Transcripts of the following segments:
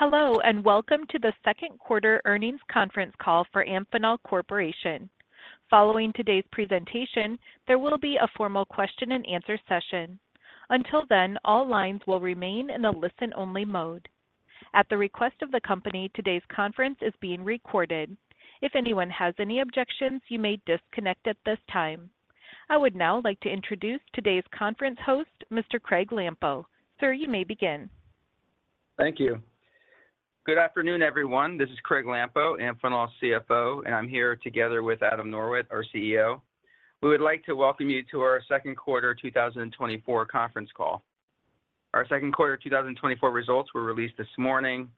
Hello, and welcome to the Second Quarter Earnings Conference Call for Amphenol Corporation. Following today's presentation, there will be a formal question-and-answer session. Until then, all lines will remain in the listen-only mode. At the request of the company, today's conference is being recorded. If anyone has any objections, you may disconnect at this time. I would now like to introduce today's conference host, Mr. Craig Lampo. Sir, you may begin. Thank you. Good afternoon, everyone. This is Craig Lampo, Amphenol's CFO, and I'm here together with Adam Norwitt, our CEO. We would like to welcome you to our Second Quarter 2024 Conference Call. Our second quarter 2024 results were released this morning.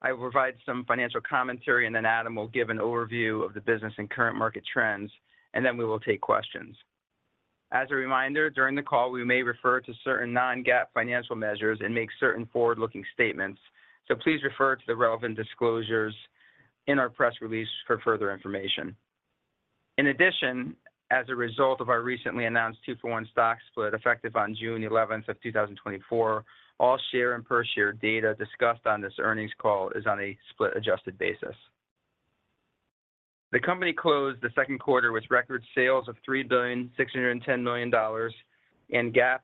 I will provide some financial commentary, and then Adam will give an overview of the business and current market trends, and then we will take questions. As a reminder, during the call, we may refer to certain non-GAAP financial measures and make certain forward-looking statements. So please refer to the relevant disclosures in our press release for further information. In addition, as a result of our recently announced 2-for-1 stock split effective on June 11th of 2024, all share and per-share data discussed on this earnings call is on a split-adjusted basis. The company closed the second quarter with record sales of $3,610,000,000 and GAAP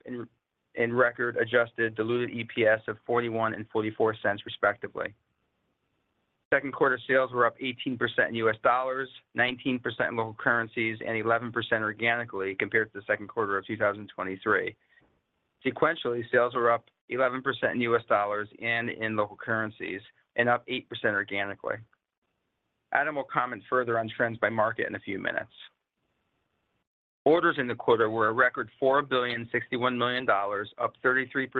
and record-adjusted diluted EPS of $0.41 and $0.44, respectively. Second quarter sales were up 18% in U.S. dollars, 19% in local currencies, and 11% organically compared to the second quarter of 2023. Sequentially, sales were up 11% in U.S. dollars and in local currencies, and up 8% organically. Adam will comment further on trends by market in a few minutes. Orders in the quarter were a record $4,061,000,000, up 33%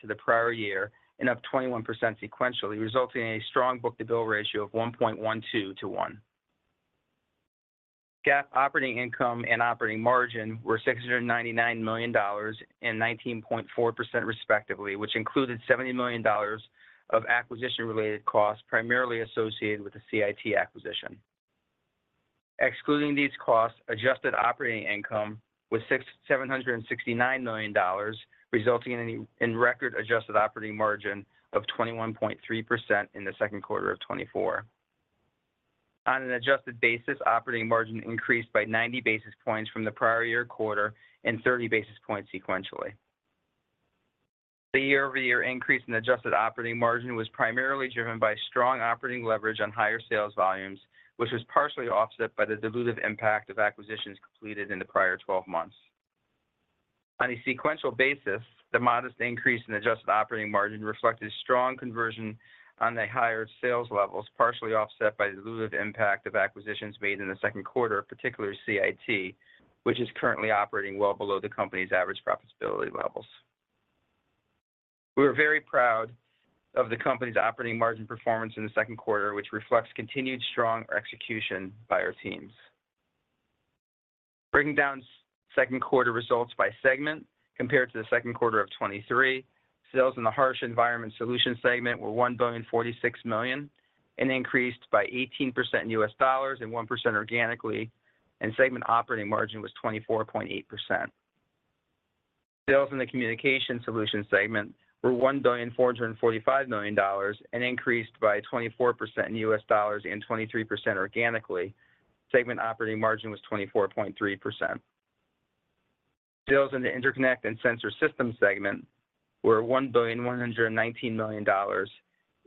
to the prior year, and up 21% sequentially, resulting in a strong book-to-bill ratio of 1.12 to 1. GAAP operating income and operating margin were $699 million and 19.4%, respectively, which included $70 million of acquisition-related costs primarily associated with the CIT acquisition. Excluding these costs, adjusted operating income was $769 million, resulting in a record-adjusted operating margin of 21.3% in the second quarter of 2024. On an adjusted basis, operating margin increased by 90 basis points from the prior year quarter and 30 basis points sequentially. The year-over-year increase in adjusted operating margin was primarily driven by strong operating leverage on higher sales volumes, which was partially offset by the dilutive impact of acquisitions completed in the prior 12 months. On a sequential basis, the modest increase in adjusted operating margin reflected strong conversion on the higher sales levels, partially offset by the dilutive impact of acquisitions made in the second quarter, particularly CIT, which is currently operating well below the company's average profitability levels. We are very proud of the company's operating margin performance in the second quarter, which reflects continued strong execution by our teams. Breaking down second quarter results by segment compared to the second quarter of 2023, sales in the harsh environment solution segment were $1,046,000,000, an increase by 18% in US dollars and 1% organically, and segment operating margin was 24.8%. Sales in the communication solution segment were $1,445,000,000, an increase by 24% in US dollars and 23% organically. Segment operating margin was 24.3%. Sales in the interconnect and sensor system segment were $1,119,000,000,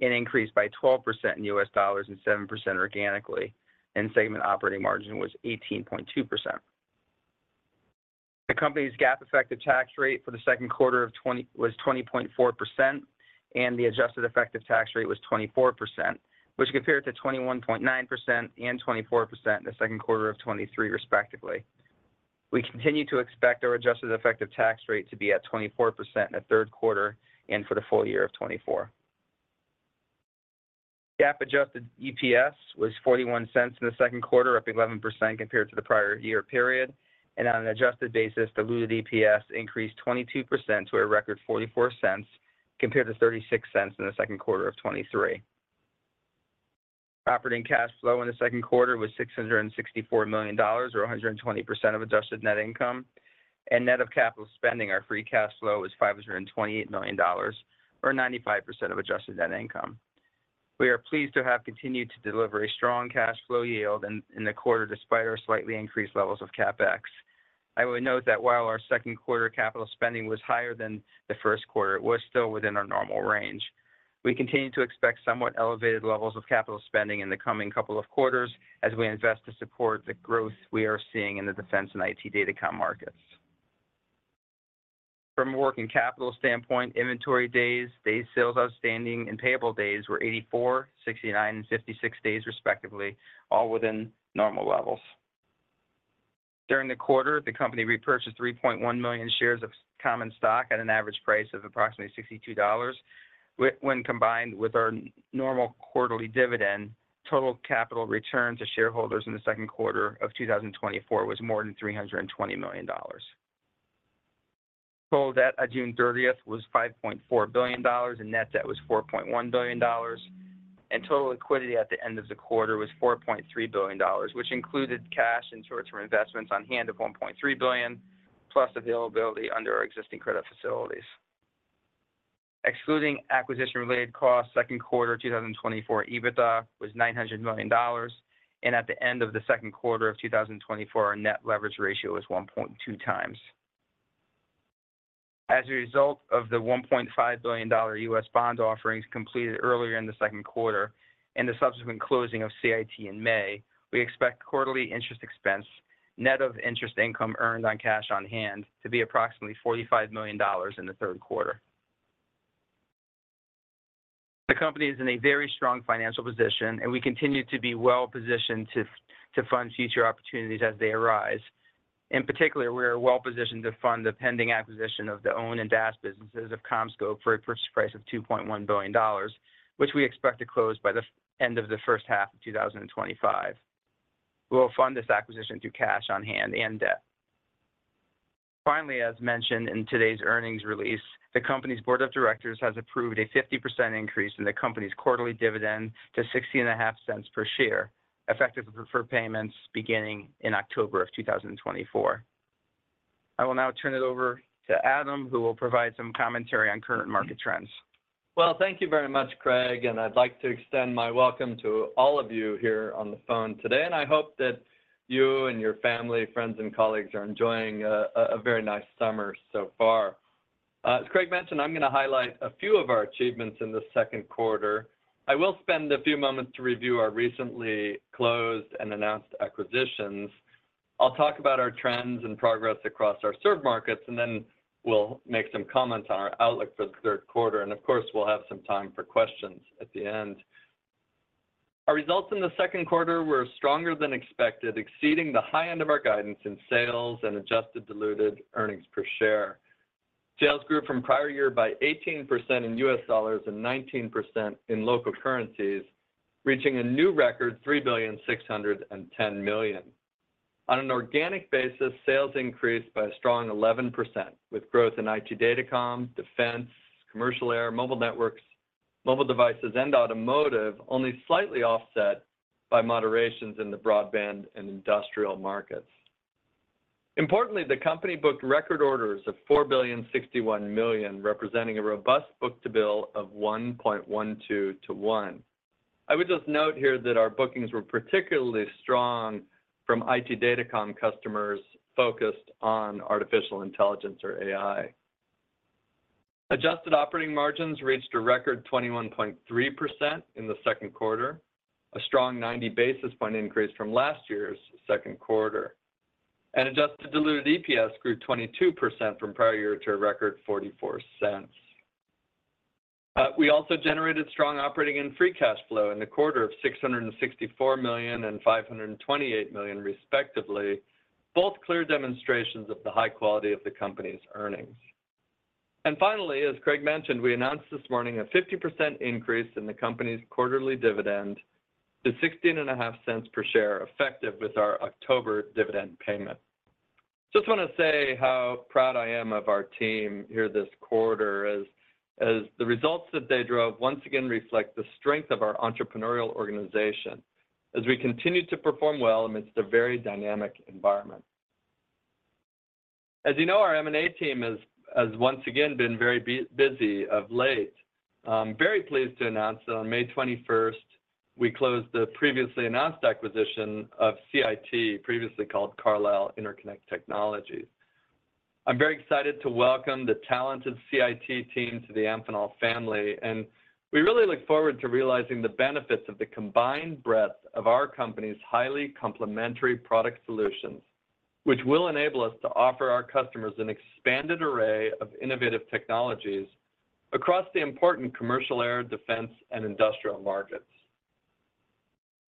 an increase by 12% in US dollars and 7% organically, and segment operating margin was 18.2%. The company's GAAP effective tax rate for the second quarter was 20.4%, and the adjusted effective tax rate was 24%, which compared to 21.9% and 24% in the second quarter of 2023, respectively. We continue to expect our adjusted effective tax rate to be at 24% in the third quarter and for the full year of 2024. GAAP adjusted EPS was $0.41 in the second quarter, up 11% compared to the prior year period, and on an adjusted basis, diluted EPS increased 22% to a record $0.44 compared to $0.36 in the second quarter of 2023. Operating cash flow in the second quarter was $664 million, or 120% of adjusted net income, and net of capital spending, our free cash flow was $528 million, or 95% of adjusted net income. We are pleased to have continued to deliver a strong cash flow yield in the quarter despite our slightly increased levels of CapEx. I would note that while our second quarter capital spending was higher than the first quarter, it was still within our normal range. We continue to expect somewhat elevated levels of capital spending in the coming couple of quarters as we invest to support the growth we are seeing in the defense and IT data markets. From a working capital standpoint, inventory days, day sales outstanding, and payable days were 84, 69, and 56 days, respectively, all within normal levels. During the quarter, the company repurchased 3.1 million shares of common stock at an average price of approximately $62. When combined with our normal quarterly dividend, total capital return to shareholders in the second quarter of 2024 was more than $320 million. Total debt on June 30th was $5.4 billion, and net debt was $4.1 billion, and total liquidity at the end of the quarter was $4.3 billion, which included cash and short-term investments on hand of $1.3 billion, plus availability under our existing credit facilities. Excluding acquisition-related costs, second quarter 2024 EBITDA was $900 million, and at the end of the second quarter of 2024, our net leverage ratio was 1.2x. As a result of the $1.5 billion U.S. bond offerings completed earlier in the second quarter and the subsequent closing of CIT in May, we expect quarterly interest expense, net of interest income earned on cash on hand, to be approximately $45 million in the third quarter. The company is in a very strong financial position, and we continue to be well-positioned to fund future opportunities as they arise. In particular, we are well-positioned to fund the pending acquisition of the OWN and DAS businesses of CommScope for a purchase price of $2.1 billion, which we expect to close by the end of the first half of 2025. We will fund this acquisition through cash on hand and debt. Finally, as mentioned in today's earnings release, the company's board of directors has approved a 50% increase in the company's quarterly dividend to $0.605 per share, effective for payments beginning in October of 2024. I will now turn it over to Adam, who will provide some commentary on current market trends. Well, thank you very much, Craig, and I'd like to extend my welcome to all of you here on the phone today, and I hope that you and your family, friends, and colleagues are enjoying a very nice summer so far. As Craig mentioned, I'm going to highlight a few of our achievements in the second quarter. I will spend a few moments to review our recently closed and announced acquisitions. I'll talk about our trends and progress across our served markets, and then we'll make some comments on our outlook for the third quarter. And of course, we'll have some time for questions at the end. Our results in the second quarter were stronger than expected, exceeding the high end of our guidance in sales and adjusted diluted earnings per share. Sales grew from prior year by 18% in US dollars and 19% in local currencies, reaching a new record, $3,610,000,000. On an organic basis, sales increased by a strong 11%, with growth in IT Datacoms, defense, commercial air, mobile networks, mobile devices, and automotive, only slightly offset by moderations in the broadband and industrial markets. Importantly, the company booked record orders of $4,061,000,000, representing a robust book-to-bill of 1.12 to 1. I would just note here that our bookings were particularly strong from IT Datacom customers focused on artificial intelligence or AI. Adjusted operating margins reached a record 21.3% in the second quarter, a strong 90 basis point increase from last year's second quarter. Adjusted diluted EPS grew 22% from prior year to a record $0.44. We also generated strong operating and free cash flow in the quarter of $664 million and $528 million, respectively, both clear demonstrations of the high quality of the company's earnings. Finally, as Craig mentioned, we announced this morning a 50% increase in the company's quarterly dividend to $0.165 per share, effective with our October dividend payment. Just want to say how proud I am of our team here this quarter, as the results that they drove once again reflect the strength of our entrepreneurial organization as we continue to perform well amidst a very dynamic environment. As you know, our M&A team has once again been very busy of late. I'm very pleased to announce that on May 21st, we closed the previously announced acquisition of CIT, previously called Carlisle Interconnect Technologies. I'm very excited to welcome the talented CIT team to the Amphenol family, and we really look forward to realizing the benefits of the combined breadth of our company's highly complementary product solutions, which will enable us to offer our customers an expanded array of innovative technologies across the important commercial air, defense, and industrial markets.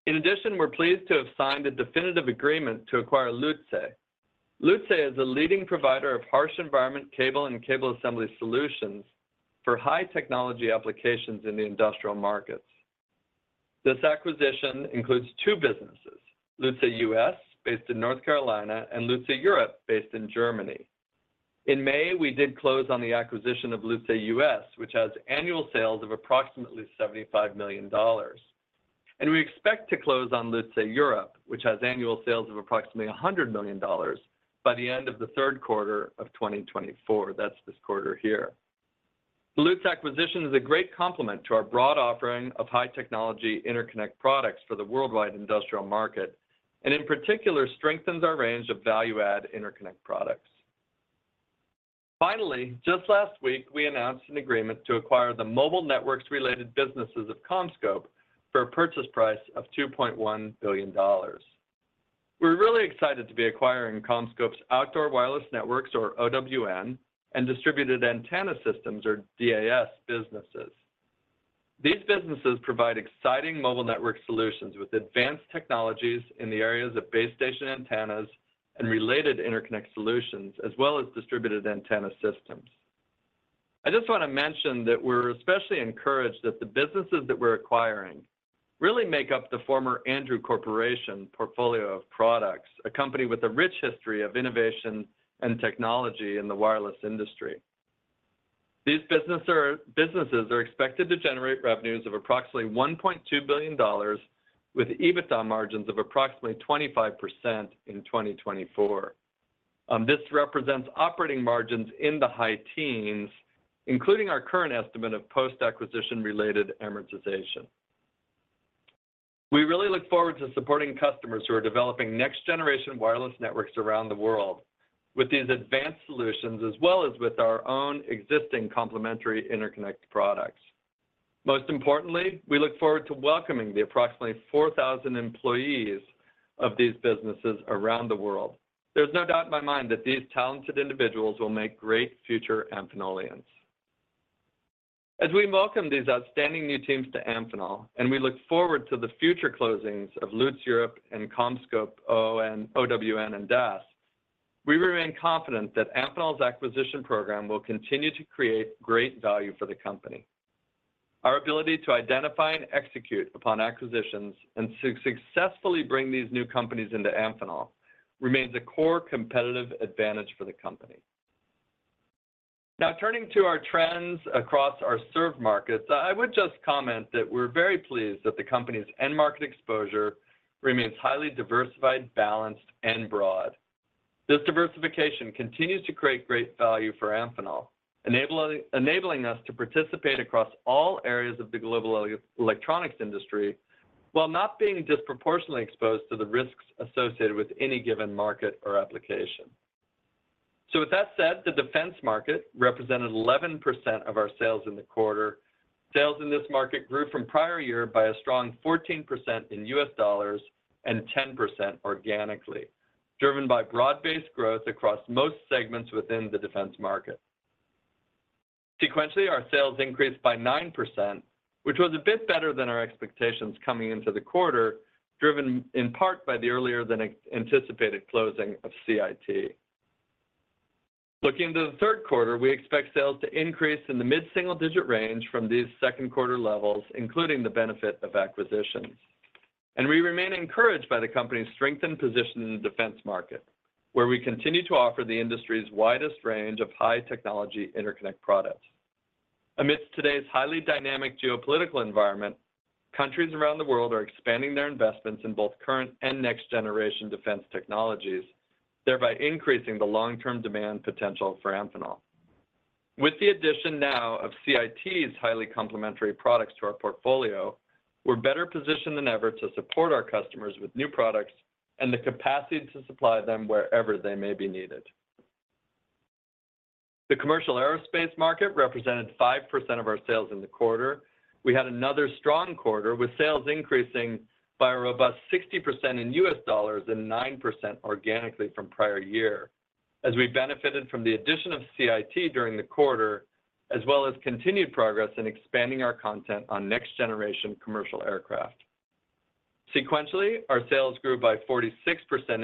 In addition, we're pleased to have signed a definitive agreement to acquire Lutze. Lutze is a leading provider of harsh environment cable and cable assembly solutions for high technology applications in the industrial markets. This acquisition includes two businesses: Lutze US, based in North Carolina, and Lutze Europe, based in Germany. In May, we did close on the acquisition of Lutze US, which has annual sales of approximately $75 million. We expect to close on Lutze Europe, which has annual sales of approximately $100 million by the end of the third quarter of 2024. That's this quarter here. The Lutze acquisition is a great complement to our broad offering of high technology interconnect products for the worldwide industrial market, and in particular, strengthens our range of value-add interconnect products. Finally, just last week, we announced an agreement to acquire the mobile networks-related businesses of CommScope for a purchase price of $2.1 billion. We're really excited to be acquiring CommScope's outdoor wireless networks, or OWN, and distributed antenna systems, or DAS, businesses. These businesses provide exciting mobile network solutions with advanced technologies in the areas of base station antennas and related interconnect solutions, as well as distributed antenna systems. I just want to mention that we're especially encouraged that the businesses that we're acquiring really make up the former Andrew Corporation portfolio of products, a company with a rich history of innovation and technology in the wireless industry. These businesses are expected to generate revenues of approximately $1.2 billion, with EBITDA margins of approximately 25% in 2024. This represents operating margins in the high teens, including our current estimate of post-acquisition-related amortization. We really look forward to supporting customers who are developing next-generation wireless networks around the world with these advanced solutions, as well as with our own existing complementary interconnect products. Most importantly, we look forward to welcoming the approximately 4,000 employees of these businesses around the world. There's no doubt in my mind that these talented individuals will make great future Amphenolians. As we welcome these outstanding new teams to Amphenol, and we look forward to the future closings of Lutze Europe and CommScope, OWN, and DAS, we remain confident that Amphenol's acquisition program will continue to create great value for the company. Our ability to identify and execute upon acquisitions and to successfully bring these new companies into Amphenol remains a core competitive advantage for the company. Now, turning to our trends across our served markets, I would just comment that we're very pleased that the company's end market exposure remains highly diversified, balanced, and broad. This diversification continues to create great value for Amphenol, enabling us to participate across all areas of the global electronics industry while not being disproportionately exposed to the risks associated with any given market or application. So, with that said, the defense market represented 11% of our sales in the quarter. Sales in this market grew from prior year by a strong 14% in US dollars and 10% organically, driven by broad-based growth across most segments within the defense market. Sequentially, our sales increased by 9%, which was a bit better than our expectations coming into the quarter, driven in part by the earlier-than-anticipated closing of CIT. Looking into the third quarter, we expect sales to increase in the mid-single-digit range from these second quarter levels, including the benefit of acquisitions. We remain encouraged by the company's strengthened position in the defense market, where we continue to offer the industry's widest range of high-technology interconnect products. Amidst today's highly dynamic geopolitical environment, countries around the world are expanding their investments in both current and next-generation defense technologies, thereby increasing the long-term demand potential for Amphenol. With the addition now of CIT's highly complementary products to our portfolio, we're better positioned than ever to support our customers with new products and the capacity to supply them wherever they may be needed. The commercial aerospace market represented 5% of our sales in the quarter. We had another strong quarter, with sales increasing by a robust 60% in U.S. dollars and 9% organically from prior year, as we benefited from the addition of CIT during the quarter, as well as continued progress in expanding our content on next-generation commercial aircraft. Sequentially, our sales grew by 46%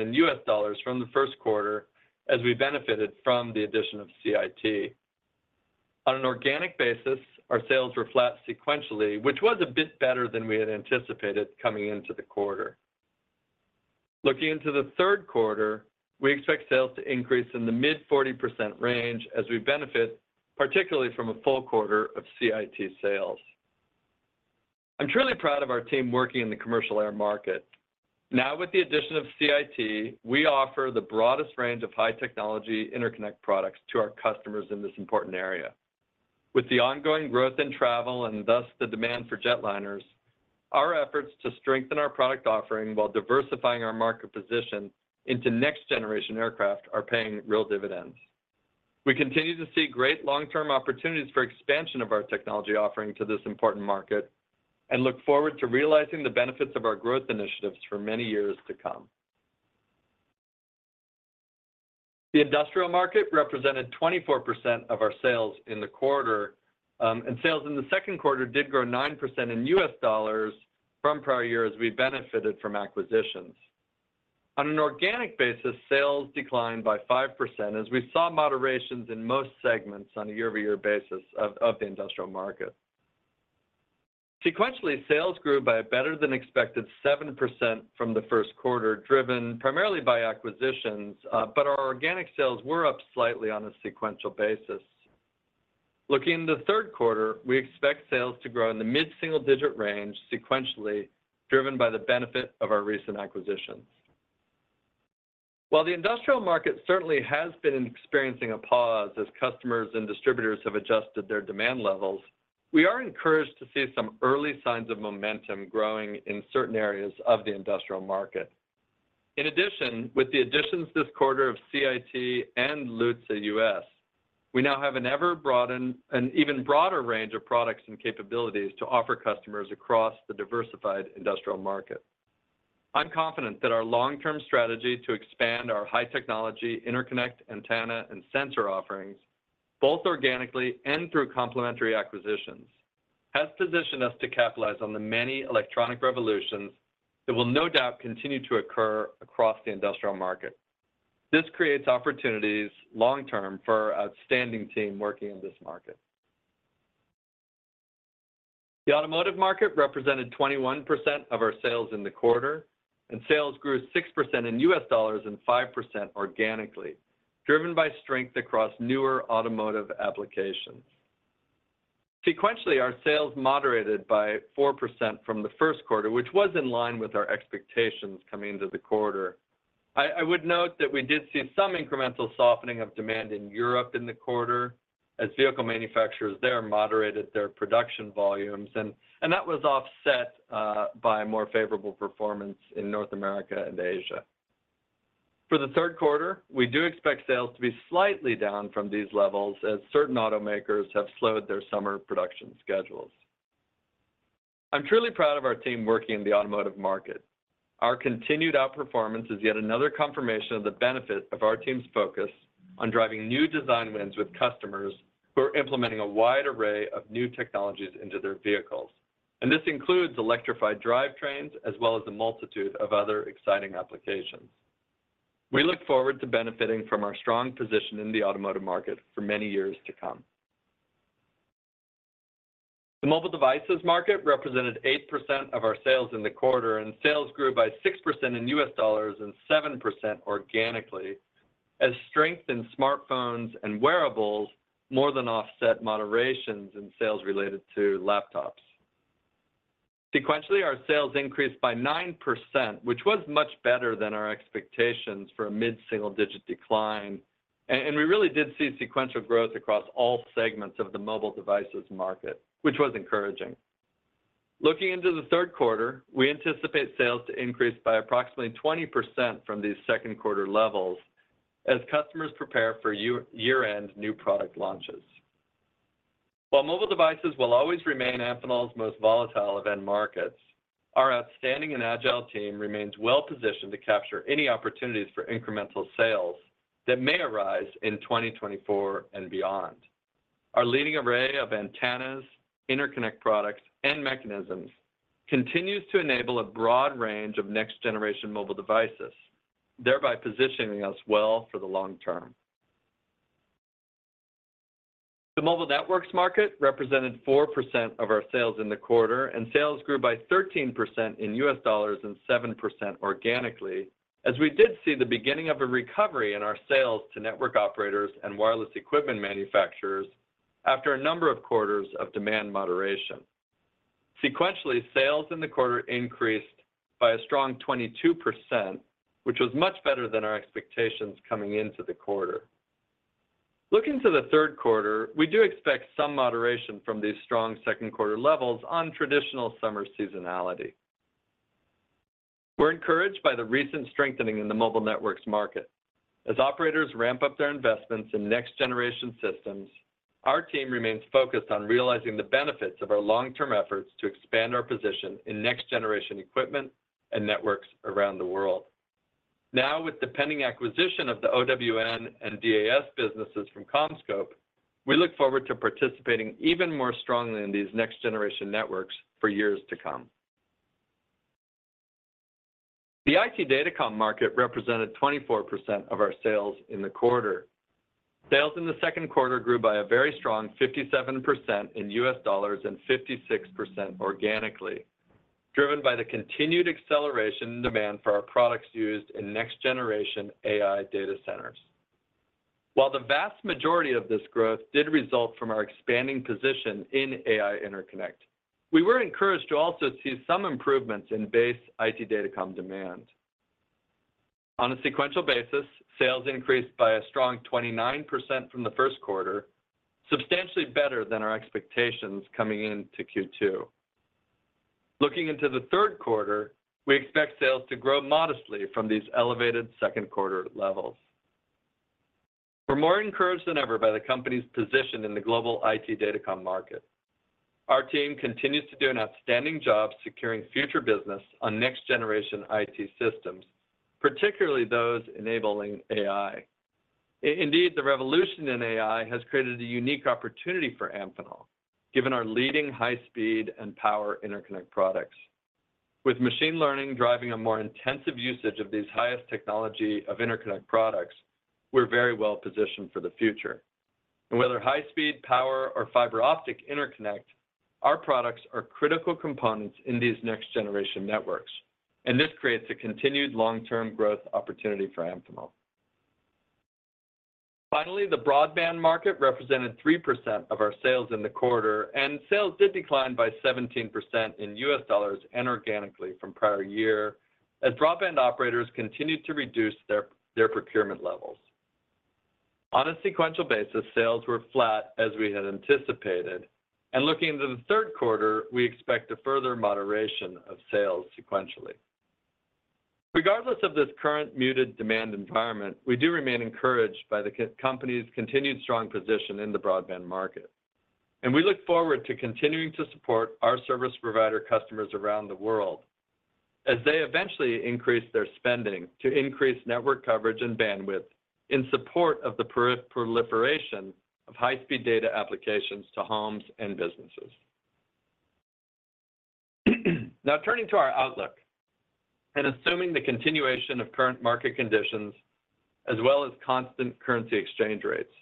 in U.S. dollars from the first quarter, as we benefited from the addition of CIT. On an organic basis, our sales were flat sequentially, which was a bit better than we had anticipated coming into the quarter. Looking into the third quarter, we expect sales to increase in the mid-40% range, as we benefit particularly from a full quarter of CIT sales. I'm truly proud of our team working in the commercial air market. Now, with the addition of CIT, we offer the broadest range of high-technology interconnect products to our customers in this important area. With the ongoing growth in travel and thus the demand for jetliners, our efforts to strengthen our product offering while diversifying our market position into next-generation aircraft are paying real dividends. We continue to see great long-term opportunities for expansion of our technology offering to this important market and look forward to realizing the benefits of our growth initiatives for many years to come. The industrial market represented 24% of our sales in the quarter, and sales in the second quarter did grow 9% in U.S. dollars from prior year as we benefited from acquisitions. On an organic basis, sales declined by 5%, as we saw moderations in most segments on a year-over-year basis of the industrial market. Sequentially, sales grew by a better-than-expected 7% from the first quarter, driven primarily by acquisitions, but our organic sales were up slightly on a sequential basis. Looking into the third quarter, we expect sales to grow in the mid-single-digit range sequentially, driven by the benefit of our recent acquisitions. While the industrial market certainly has been experiencing a pause as customers and distributors have adjusted their demand levels, we are encouraged to see some early signs of momentum growing in certain areas of the industrial market. In addition, with the additions this quarter of CIT and Lutze US, we now have an ever broader and even broader range of products and capabilities to offer customers across the diversified industrial market. I'm confident that our long-term strategy to expand our high-technology interconnect antenna and sensor offerings, both organically and through complementary acquisitions, has positioned us to capitalize on the many electronic revolutions that will no doubt continue to occur across the industrial market. This creates opportunities long-term for our outstanding team working in this market. The automotive market represented 21% of our sales in the quarter, and sales grew 6% in U.S. dollars and 5% organically, driven by strength across newer automotive applications. Sequentially, our sales moderated by 4% from the first quarter, which was in line with our expectations coming into the quarter. I would note that we did see some incremental softening of demand in Europe in the quarter as vehicle manufacturers there moderated their production volumes, and that was offset by more favorable performance in North America and Asia. For the third quarter, we do expect sales to be slightly down from these levels as certain automakers have slowed their summer production schedules. I'm truly proud of our team working in the automotive market. Our continued outperformance is yet another confirmation of the benefit of our team's focus on driving new design wins with customers who are implementing a wide array of new technologies into their vehicles. This includes electrified drivetrains as well as a multitude of other exciting applications. We look forward to benefiting from our strong position in the automotive market for many years to come. The mobile devices market represented 8% of our sales in the quarter, and sales grew by 6% in US dollars and 7% organically as strength in smartphones and wearables more than offset moderations in sales related to laptops. Sequentially, our sales increased by 9%, which was much better than our expectations for a mid-single-digit decline. We really did see sequential growth across all segments of the mobile devices market, which was encouraging. Looking into the third quarter, we anticipate sales to increase by approximately 20% from these second quarter levels as customers prepare for year-end new product launches. While mobile devices will always remain Amphenol's most volatile of end markets, our outstanding and agile team remains well-positioned to capture any opportunities for incremental sales that may arise in 2024 and beyond. Our leading array of antennas, interconnect products, and mechanisms continues to enable a broad range of next-generation mobile devices, thereby positioning us well for the long term. The mobile networks market represented 4% of our sales in the quarter, and sales grew by 13% in U.S. dollars and 7% organically as we did see the beginning of a recovery in our sales to network operators and wireless equipment manufacturers after a number of quarters of demand moderation. Sequentially, sales in the quarter increased by a strong 22%, which was much better than our expectations coming into the quarter. Looking to the third quarter, we do expect some moderation from these strong second quarter levels on traditional summer seasonality. We're encouraged by the recent strengthening in the mobile networks market. As operators ramp up their investments in next-generation systems, our team remains focused on realizing the benefits of our long-term efforts to expand our position in next-generation equipment and networks around the world. Now, with the pending acquisition of the OWN and DAS businesses from CommScope, we look forward to participating even more strongly in these next-generation networks for years to come. The IT data comm market represented 24% of our sales in the quarter. Sales in the second quarter grew by a very strong 57% in U.S. dollars and 56% organically, driven by the continued acceleration in demand for our products used in next-generation AI data centers. While the vast majority of this growth did result from our expanding position in AI interconnect, we were encouraged to also see some improvements in base IT data comm demand. On a sequential basis, sales increased by a strong 29% from the first quarter, substantially better than our expectations coming into Q2. Looking into the third quarter, we expect sales to grow modestly from these elevated second quarter levels. We're more encouraged than ever by the company's position in the global IT data comm market. Our team continues to do an outstanding job securing future business on next-generation IT systems, particularly those enabling AI. Indeed, the revolution in AI has created a unique opportunity for Amphenol, given our leading high-speed and power interconnect products. With machine learning driving a more intensive usage of these highest technology of interconnect products, we're very well positioned for the future. And whether high-speed, power, or fiber optic interconnect, our products are critical components in these next-generation networks, and this creates a continued long-term growth opportunity for Amphenol. Finally, the broadband market represented 3% of our sales in the quarter, and sales did decline by 17% in US dollars and organically from prior year as broadband operators continued to reduce their procurement levels. On a sequential basis, sales were flat as we had anticipated, and looking into the third quarter, we expect a further moderation of sales sequentially. Regardless of this current muted demand environment, we do remain encouraged by the company's continued strong position in the broadband market. We look forward to continuing to support our service provider customers around the world as they eventually increase their spending to increase network coverage and bandwidth in support of the proliferation of high-speed data applications to homes and businesses. Now, turning to our outlook and assuming the continuation of current market conditions as well as constant currency exchange rates,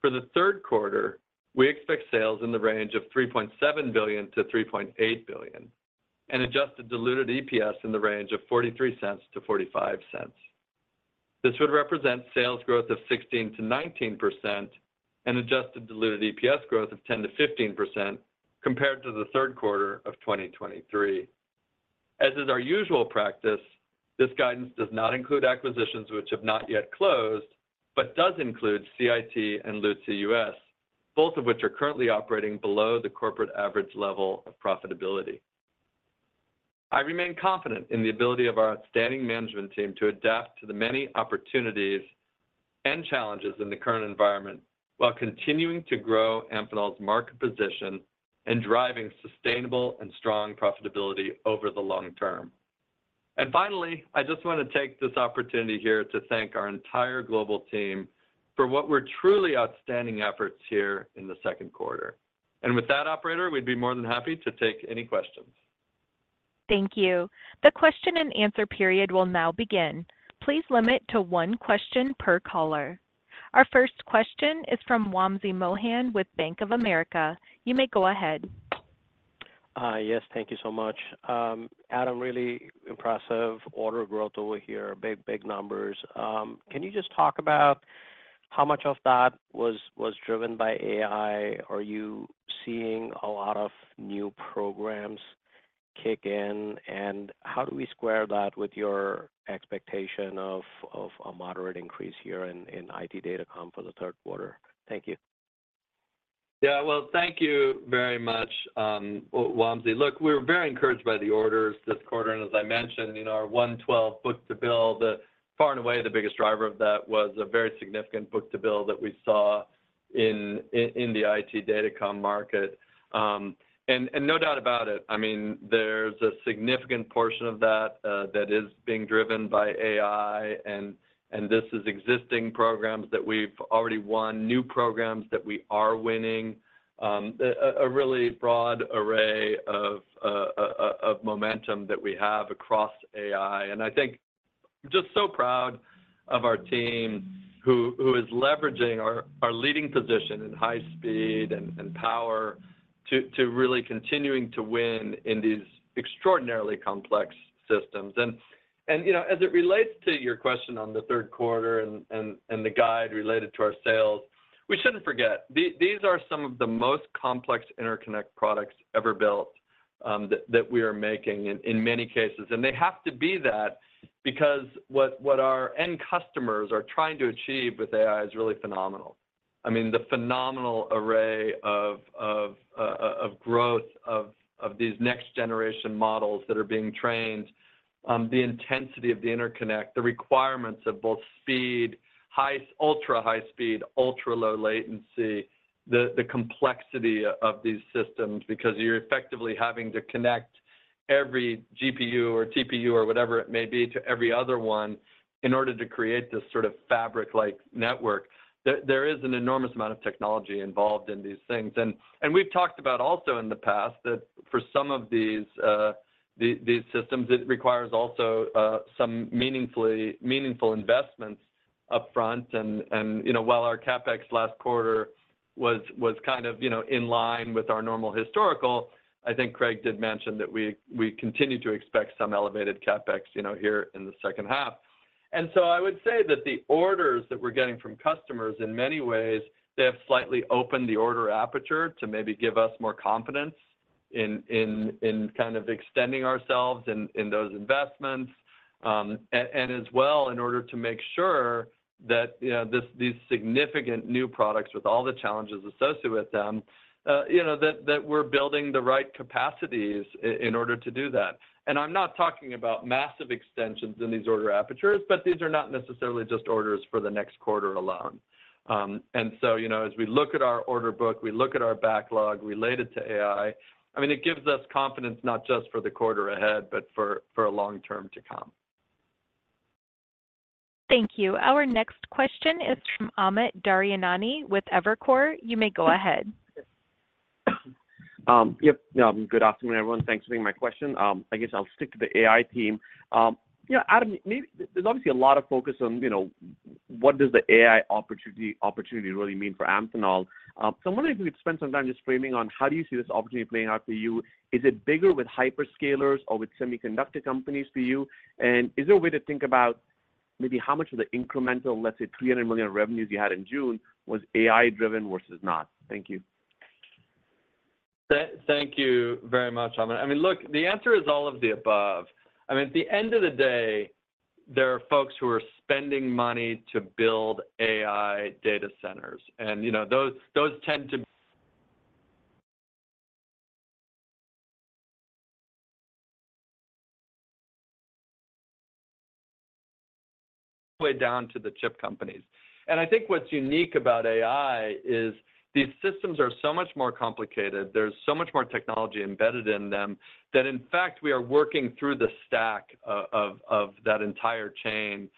for the third quarter, we expect sales in the range of $3.7 billion-$3.8 billion and adjusted diluted EPS in the range of $0.43-$0.45. This would represent sales growth of 16%-19% and adjusted diluted EPS growth of 10%-15% compared to the third quarter of 2023. As is our usual practice, this guidance does not include acquisitions which have not yet closed, but does include CIT and Lutze US, both of which are currently operating below the corporate average level of profitability. I remain confident in the ability of our outstanding management team to adapt to the many opportunities and challenges in the current environment while continuing to grow Amphenol's market position and driving sustainable and strong profitability over the long term. Finally, I just want to take this opportunity here to thank our entire global team for what were truly outstanding efforts here in the second quarter. And with that, Operator, we'd be more than happy to take any questions. Thank you. The question and answer period will now begin. Please limit to one question per caller. Our first question is from Wamsi Mohan with Bank of America. You may go ahead. Yes, thank you so much. Adam, really impressive order growth over here, big, big numbers. Can you just talk about how much of that was driven by AI? Are you seeing a lot of new programs kick in, and how do we square that with your expectation of a moderate increase here in IT data comm for the third quarter? Thank you. Yeah, well, thank you very much, Wamsi. Look, we were very encouraged by the orders this quarter. And as I mentioned, our 1.12 book-to-bill, far and away the biggest driver of that was a very significant book-to-bill that we saw in the IT data comm market. And no doubt about it, I mean, there's a significant portion of that that is being driven by AI, and this is existing programs that we've already won, new programs that we are winning, a really broad array of momentum that we have across AI. And I think I'm just so proud of our team who is leveraging our leading position in high speed and power to really continuing to win in these extraordinarily complex systems. As it relates to your question on the third quarter and the guide related to our sales, we shouldn't forget, these are some of the most complex interconnect products ever built that we are making in many cases. They have to be that because what our end customers are trying to achieve with AI is really phenomenal. I mean, the phenomenal array of growth of these next-generation models that are being trained, the intensity of the interconnect, the requirements of both speed, ultra high speed, ultra low latency, the complexity of these systems because you're effectively having to connect every GPU or TPU or whatever it may be to every other one in order to create this sort of fabric-like network. There is an enormous amount of technology involved in these things. We've talked about also in the past that for some of these systems, it requires also some meaningful investments upfront. While our CapEx last quarter was kind of in line with our normal historical, I think Craig did mention that we continue to expect some elevated CapEx here in the second half. So I would say that the orders that we're getting from customers, in many ways, they have slightly opened the order aperture to maybe give us more confidence in kind of extending ourselves in those investments. As well, in order to make sure that these significant new products with all the challenges associated with them, that we're building the right capacities in order to do that. I'm not talking about massive extensions in these order apertures, but these are not necessarily just orders for the next quarter alone. And so as we look at our order book, we look at our backlog related to AI. I mean, it gives us confidence not just for the quarter ahead, but for a long term to come. Thank you. Our next question is from Amit Daryanani with Evercore. You may go ahead. Yep. Good afternoon, everyone. Thanks for taking my question. I guess I'll stick to the AI team. Adam, there's obviously a lot of focus on what does the AI opportunity really mean for Amphenol. So I'm wondering if we could spend some time just framing on how do you see this opportunity playing out for you? Is it bigger with hyperscalers or with semiconductor companies for you? And is there a way to think about maybe how much of the incremental, let's say, $300 million revenues you had in June was AI-driven versus not? Thank you. Thank you very much, Amit. I mean, look, the answer is all of the above. I mean, at the end of the day, there are folks who are spending money to build AI data centers. And those tend to all the way down to the chip companies. And I think what's unique about AI is these systems are so much more complicated. There's so much more technology embedded in them that, in fact, we are working through the stack of that entire chain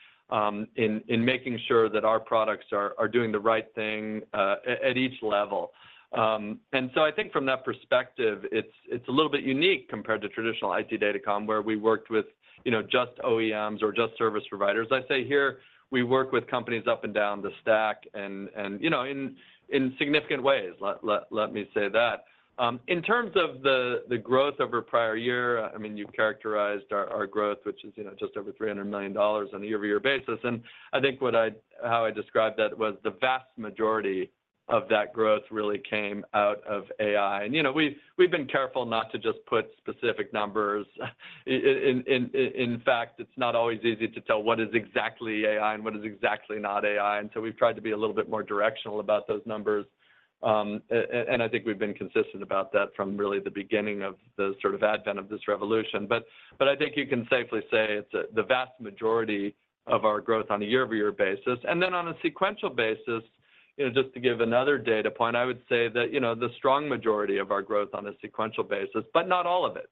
in making sure that our products are doing the right thing at each level. And so I think from that perspective, it's a little bit unique compared to traditional IT data comm where we worked with just OEMs or just service providers. I say here we work with companies up and down the stack and in significant ways, let me say that. In terms of the growth over prior year, I mean, you characterized our growth, which is just over $300 million on a year-over-year basis. And I think how I described that was the vast majority of that growth really came out of AI. And we've been careful not to just put specific numbers. In fact, it's not always easy to tell what is exactly AI and what is exactly not AI. And so we've tried to be a little bit more directional about those numbers. And I think we've been consistent about that from really the beginning of the sort of advent of this revolution. But I think you can safely say it's the vast majority of our growth on a year-over-year basis. And then on a sequential basis, just to give another data point, I would say that the strong majority of our growth on a sequential basis, but not all of it.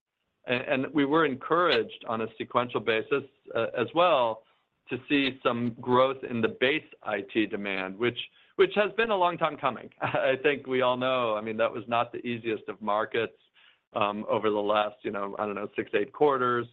And we were encouraged on a sequential basis as well to see some growth in the base IT demand, which has been a long time coming. I think we all know, I mean, that was not the easiest of markets over the last, I don't know, six, eight quarters.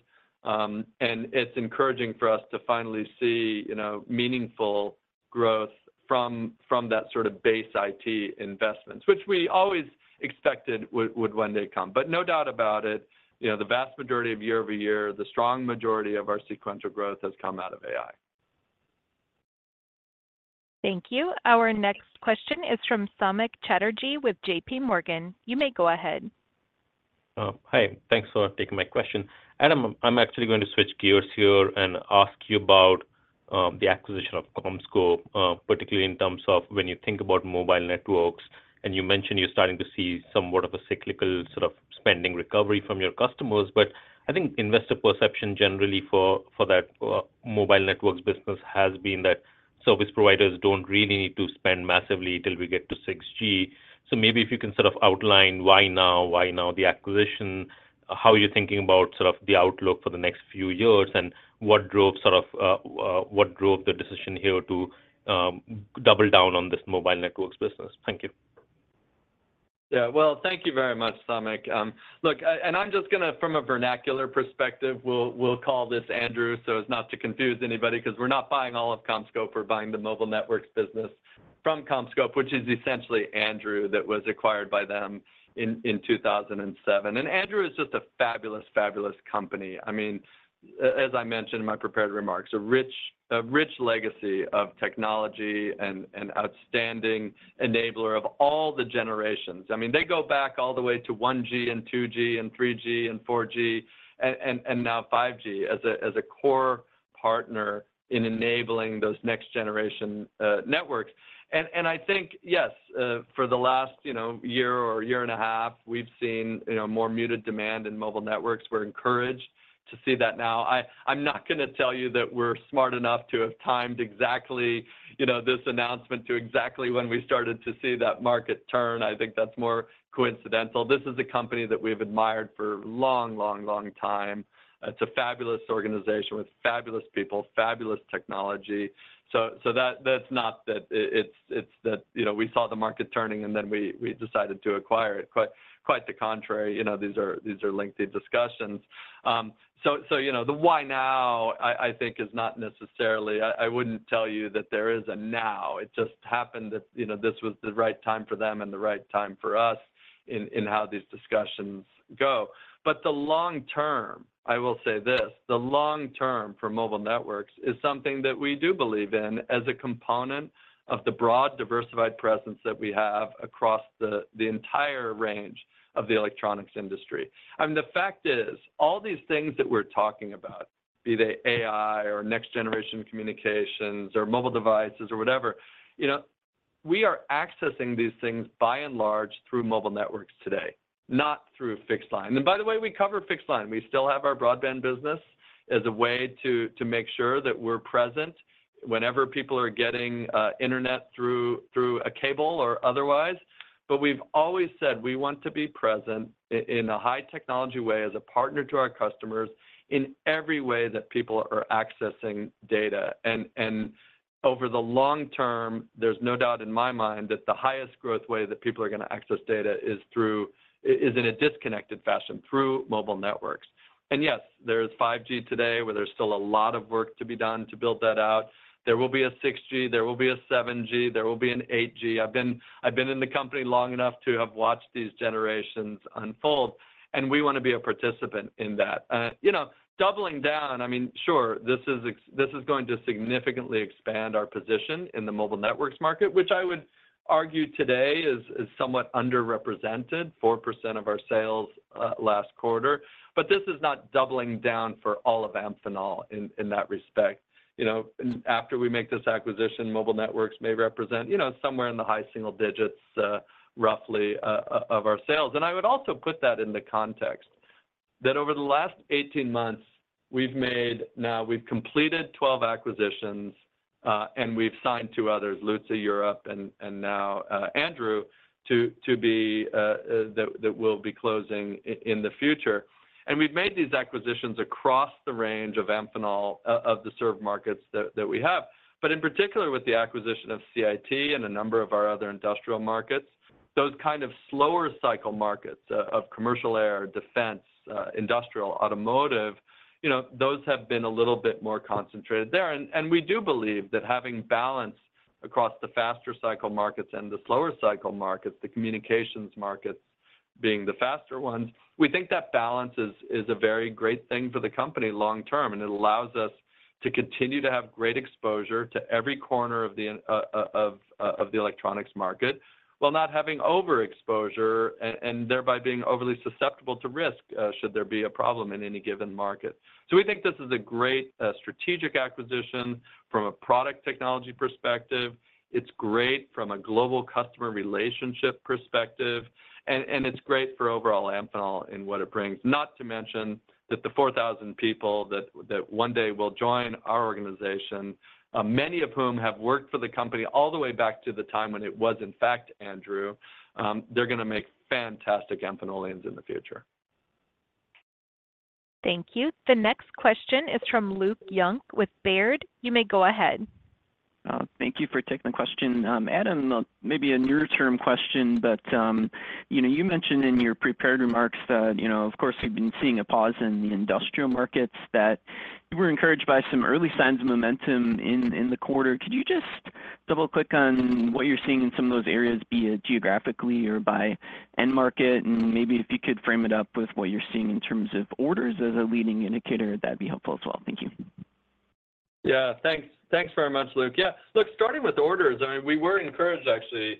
And it's encouraging for us to finally see meaningful growth from that sort of base IT investments, which we always expected would one day come. But no doubt about it, the vast majority of year-over-year, the strong majority of our sequential growth has come out of AI. Thank you. Our next question is from Samik Chatterjee with JPMorgan. You may go ahead. Hi. Thanks for taking my question. Adam, I'm actually going to switch gears here and ask you about the acquisition of CommScope, particularly in terms of when you think about mobile networks. And you mentioned you're starting to see somewhat of a cyclical sort of spending recovery from your customers. But I think investor perception generally for that mobile networks business has been that service providers don't really need to spend massively till we get to 6G. So maybe if you can sort of outline why now, why now the acquisition, how are you thinking about sort of the outlook for the next few years, and what drove sort of what drove the decision here to double down on this mobile networks business? Thank you. Yeah. Well, thank you very much, Samik. Look, and I'm just going to, from a vernacular perspective, we'll call this Andrew so as not to confuse anybody because we're not buying all of CommScope. We're buying the mobile networks business from CommScope, which is essentially Andrew that was acquired by them in 2007. And Andrew is just a fabulous, fabulous company. I mean, as I mentioned in my prepared remarks, a rich legacy of technology and outstanding enabler of all the generations. I mean, they go back all the way to 1G and 2G and 3G and 4G and now 5G as a core partner in enabling those next-generation networks. And I think, yes, for the last year or year and a half, we've seen more muted demand in mobile networks. We're encouraged to see that now. I'm not going to tell you that we're smart enough to have timed exactly this announcement to exactly when we started to see that market turn. I think that's more coincidental. This is a company that we've admired for a long, long, long time. It's a fabulous organization with fabulous people, fabulous technology. So that's not that it's that we saw the market turning and then we decided to acquire it. Quite the contrary. These are lengthy discussions. So the why now, I think, is not necessarily. I wouldn't tell you that there is a now. It just happened that this was the right time for them and the right time for us in how these discussions go. But the long term, I will say this, the long term for mobile networks is something that we do believe in as a component of the broad diversified presence that we have across the entire range of the electronics industry. I mean, the fact is all these things that we're talking about, be they AI or next-generation communications or mobile devices or whatever, we are accessing these things by and large through mobile networks today, not through fixed line. And by the way, we cover fixed line. We still have our broadband business as a way to make sure that we're present whenever people are getting internet through a cable or otherwise. But we've always said we want to be present in a high-technology way as a partner to our customers in every way that people are accessing data. Over the long term, there's no doubt in my mind that the highest growth way that people are going to access data is in a disconnected fashion through mobile networks. Yes, there is 5G today where there's still a lot of work to be done to build that out. There will be a 6G. There will be a 7G. There will be an 8G. I've been in the company long enough to have watched these generations unfold, and we want to be a participant in that. Doubling down, I mean, sure, this is going to significantly expand our position in the mobile networks market, which I would argue today is somewhat underrepresented, 4% of our sales last quarter. But this is not doubling down for all of Amphenol in that respect. After we make this acquisition, mobile networks may represent somewhere in the high single digits roughly of our sales. I would also put that in the context that over the last 18 months, we've made. Now we've completed 12 acquisitions, and we've signed two others, Lutze Europe and now Andrew, that will be closing in the future. We've made these acquisitions across the range of Amphenol, of the served markets that we have. In particular, with the acquisition of CIT and a number of our other industrial markets, those kind of slower cycle markets of commercial air, defense, industrial, automotive, those have been a little bit more concentrated there. We do believe that having balance across the faster cycle markets and the slower cycle markets, the communications markets being the faster ones, we think that balance is a very great thing for the company long term. And it allows us to continue to have great exposure to every corner of the electronics market while not having overexposure and thereby being overly susceptible to risk should there be a problem in any given market. So we think this is a great strategic acquisition from a product technology perspective. It's great from a global customer relationship perspective. And it's great for overall Amphenol and what it brings. Not to mention that the 4,000 people that one day will join our organization, many of whom have worked for the company all the way back to the time when it was, in fact, Andrew, they're going to make fantastic Amphenolians in the future. Thank you. The next question is from Luke Junk with Baird. You may go ahead. Thank you for taking the question. Adam, maybe a near-term question, but you mentioned in your prepared remarks that, of course, we've been seeing a pause in the industrial markets, that we're encouraged by some early signs of momentum in the quarter. Could you just double-click on what you're seeing in some of those areas, be it geographically or by end market? And maybe if you could frame it up with what you're seeing in terms of orders as a leading indicator, that'd be helpful as well. Thank you. Yeah. Thanks very much, Luke. Yeah. Look, starting with orders, I mean, we were encouraged, actually.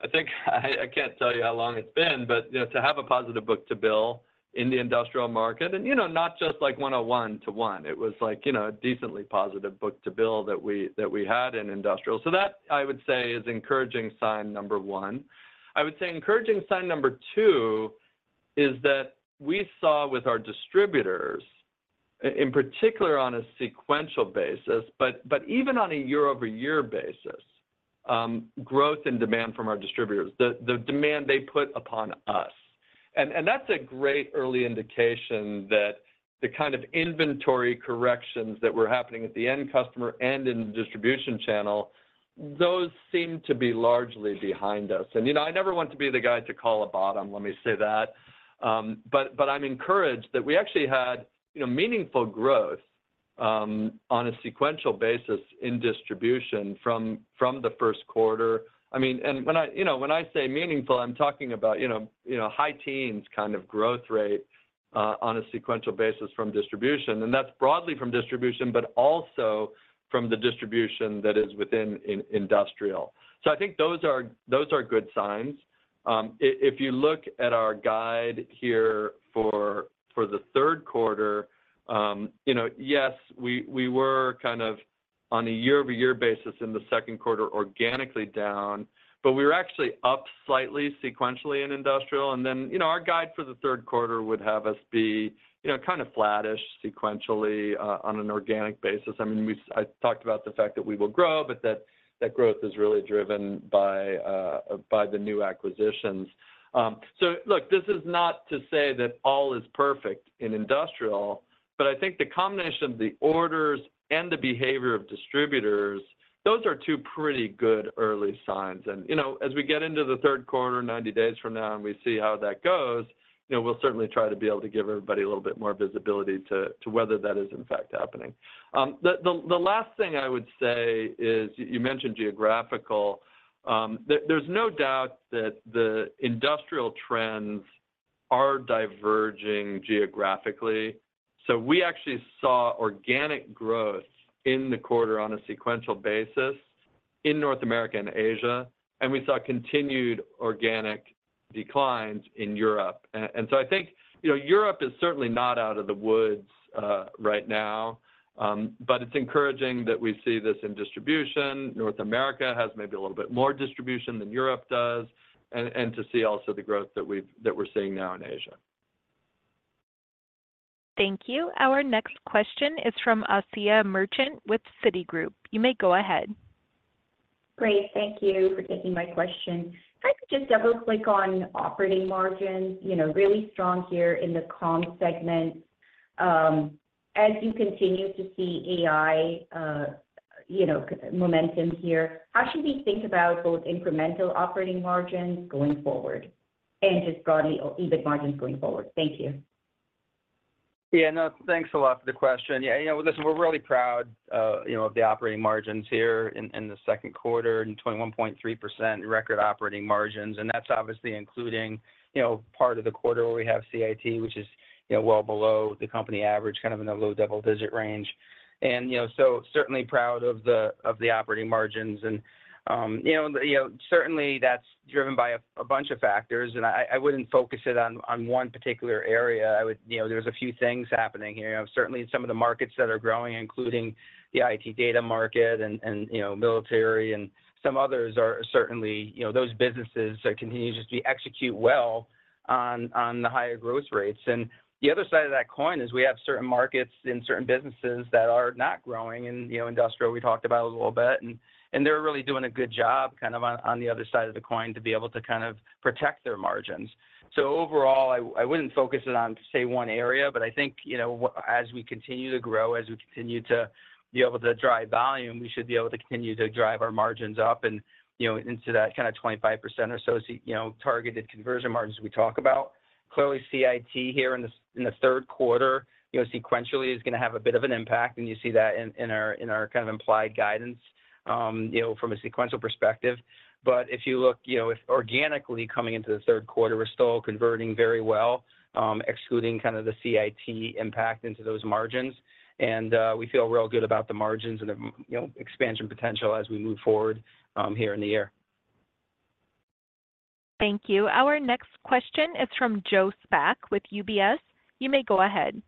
I think I can't tell you how long it's been, but to have a positive book-to-bill in the industrial market, and not just like 1.01:1. It was a decently positive book-to-bill that we had in industrial. So that, I would say, is encouraging sign number 1. I would say encouraging sign number 2 is that we saw with our distributors, in particular on a sequential basis, but even on a year-over-year basis, growth in demand from our distributors, the demand they put upon us. And that's a great early indication that the kind of inventory corrections that were happening at the end customer and in the distribution channel, those seem to be largely behind us. And I never want to be the guy to call a bottom, let me say that. But I'm encouraged that we actually had meaningful growth on a sequential basis in distribution from the first quarter. I mean, and when I say meaningful, I'm talking about high teens kind of growth rate on a sequential basis from distribution. And that's broadly from distribution, but also from the distribution that is within industrial. So I think those are good signs. If you look at our guide here for the third quarter, yes, we were kind of on a year-over-year basis in the second quarter organically down, but we were actually up slightly sequentially in industrial. And then our guide for the third quarter would have us be kind of flattish sequentially on an organic basis. I mean, I talked about the fact that we will grow, but that growth is really driven by the new acquisitions. So look, this is not to say that all is perfect in industrial, but I think the combination of the orders and the behavior of distributors, those are two pretty good early signs. And as we get into the third quarter, 90 days from now, and we see how that goes, we'll certainly try to be able to give everybody a little bit more visibility to whether that is, in fact, happening. The last thing I would say is you mentioned geographical. There's no doubt that the industrial trends are diverging geographically. So we actually saw organic growth in the quarter on a sequential basis in North America and Asia, and we saw continued organic declines in Europe. And so I think Europe is certainly not out of the woods right now, but it's encouraging that we see this in distribution. North America has maybe a little bit more distribution than Europe does, and to see also the growth that we're seeing now in Asia. Thank you. Our next question is from Asiya Merchant with Citigroup. You may go ahead. Great. Thank you for taking my question. If I could just double-click on operating margins, really strong here in the comms segment. As you continue to see AI momentum here, how should we think about both incremental operating margins going forward and just broadly EBIT margins going forward? Thank you. Yeah. No, thanks a lot for the question. Yeah. Listen, we're really proud of the operating margins here in the second quarter, 21.3% record operating margins. And that's obviously including part of the quarter where we have CIT, which is well below the company average, kind of in the low double-digit range. And so certainly proud of the operating margins. And certainly, that's driven by a bunch of factors. And I wouldn't focus it on one particular area. There's a few things happening here. Certainly, some of the markets that are growing, including the IT data market and military and some others, are certainly those businesses that continue just to execute well on the higher growth rates. The other side of that coin is we have certain markets in certain businesses that are not growing in industrial. We talked about it a little bit. They're really doing a good job kind of on the other side of the coin to be able to kind of protect their margins. So overall, I wouldn't focus it on, say, one area, but I think as we continue to grow, as we continue to be able to drive volume, we should be able to continue to drive our margins up into that kind of 25% or so targeted conversion margins we talk about. Clearly, CIT here in the third quarter sequentially is going to have a bit of an impact. And you see that in our kind of implied guidance from a sequential perspective. But if you look organically coming into the third quarter, we're still converting very well, excluding kind of the CIT impact into those margins. And we feel real good about the margins and the expansion potential as we move forward here in the year. Thank you. Our next question is from Joe Spak with UBS. You may go ahead.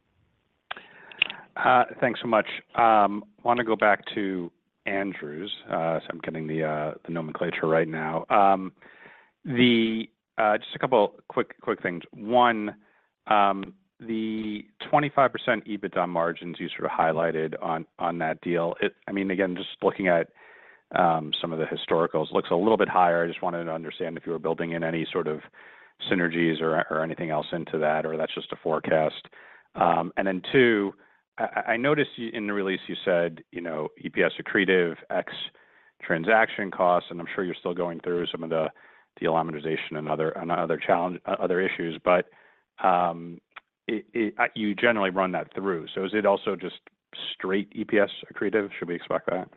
Thanks so much. I want to go back to Andrew's. So I'm getting the nomenclature right now. Just a couple of quick things. One, the 25% EBITDA margins you sort of highlighted on that deal, I mean, again, just looking at some of the historicals, looks a little bit higher. I just wanted to understand if you were building in any sort of synergies or anything else into that, or that's just a forecast. And then two, I noticed in the release you said EPS accretive, ex transaction costs, and I'm sure you're still going through some of the delamination and other issues, but you generally run that through. So is it also just straight EPS accretive? Should we expect that?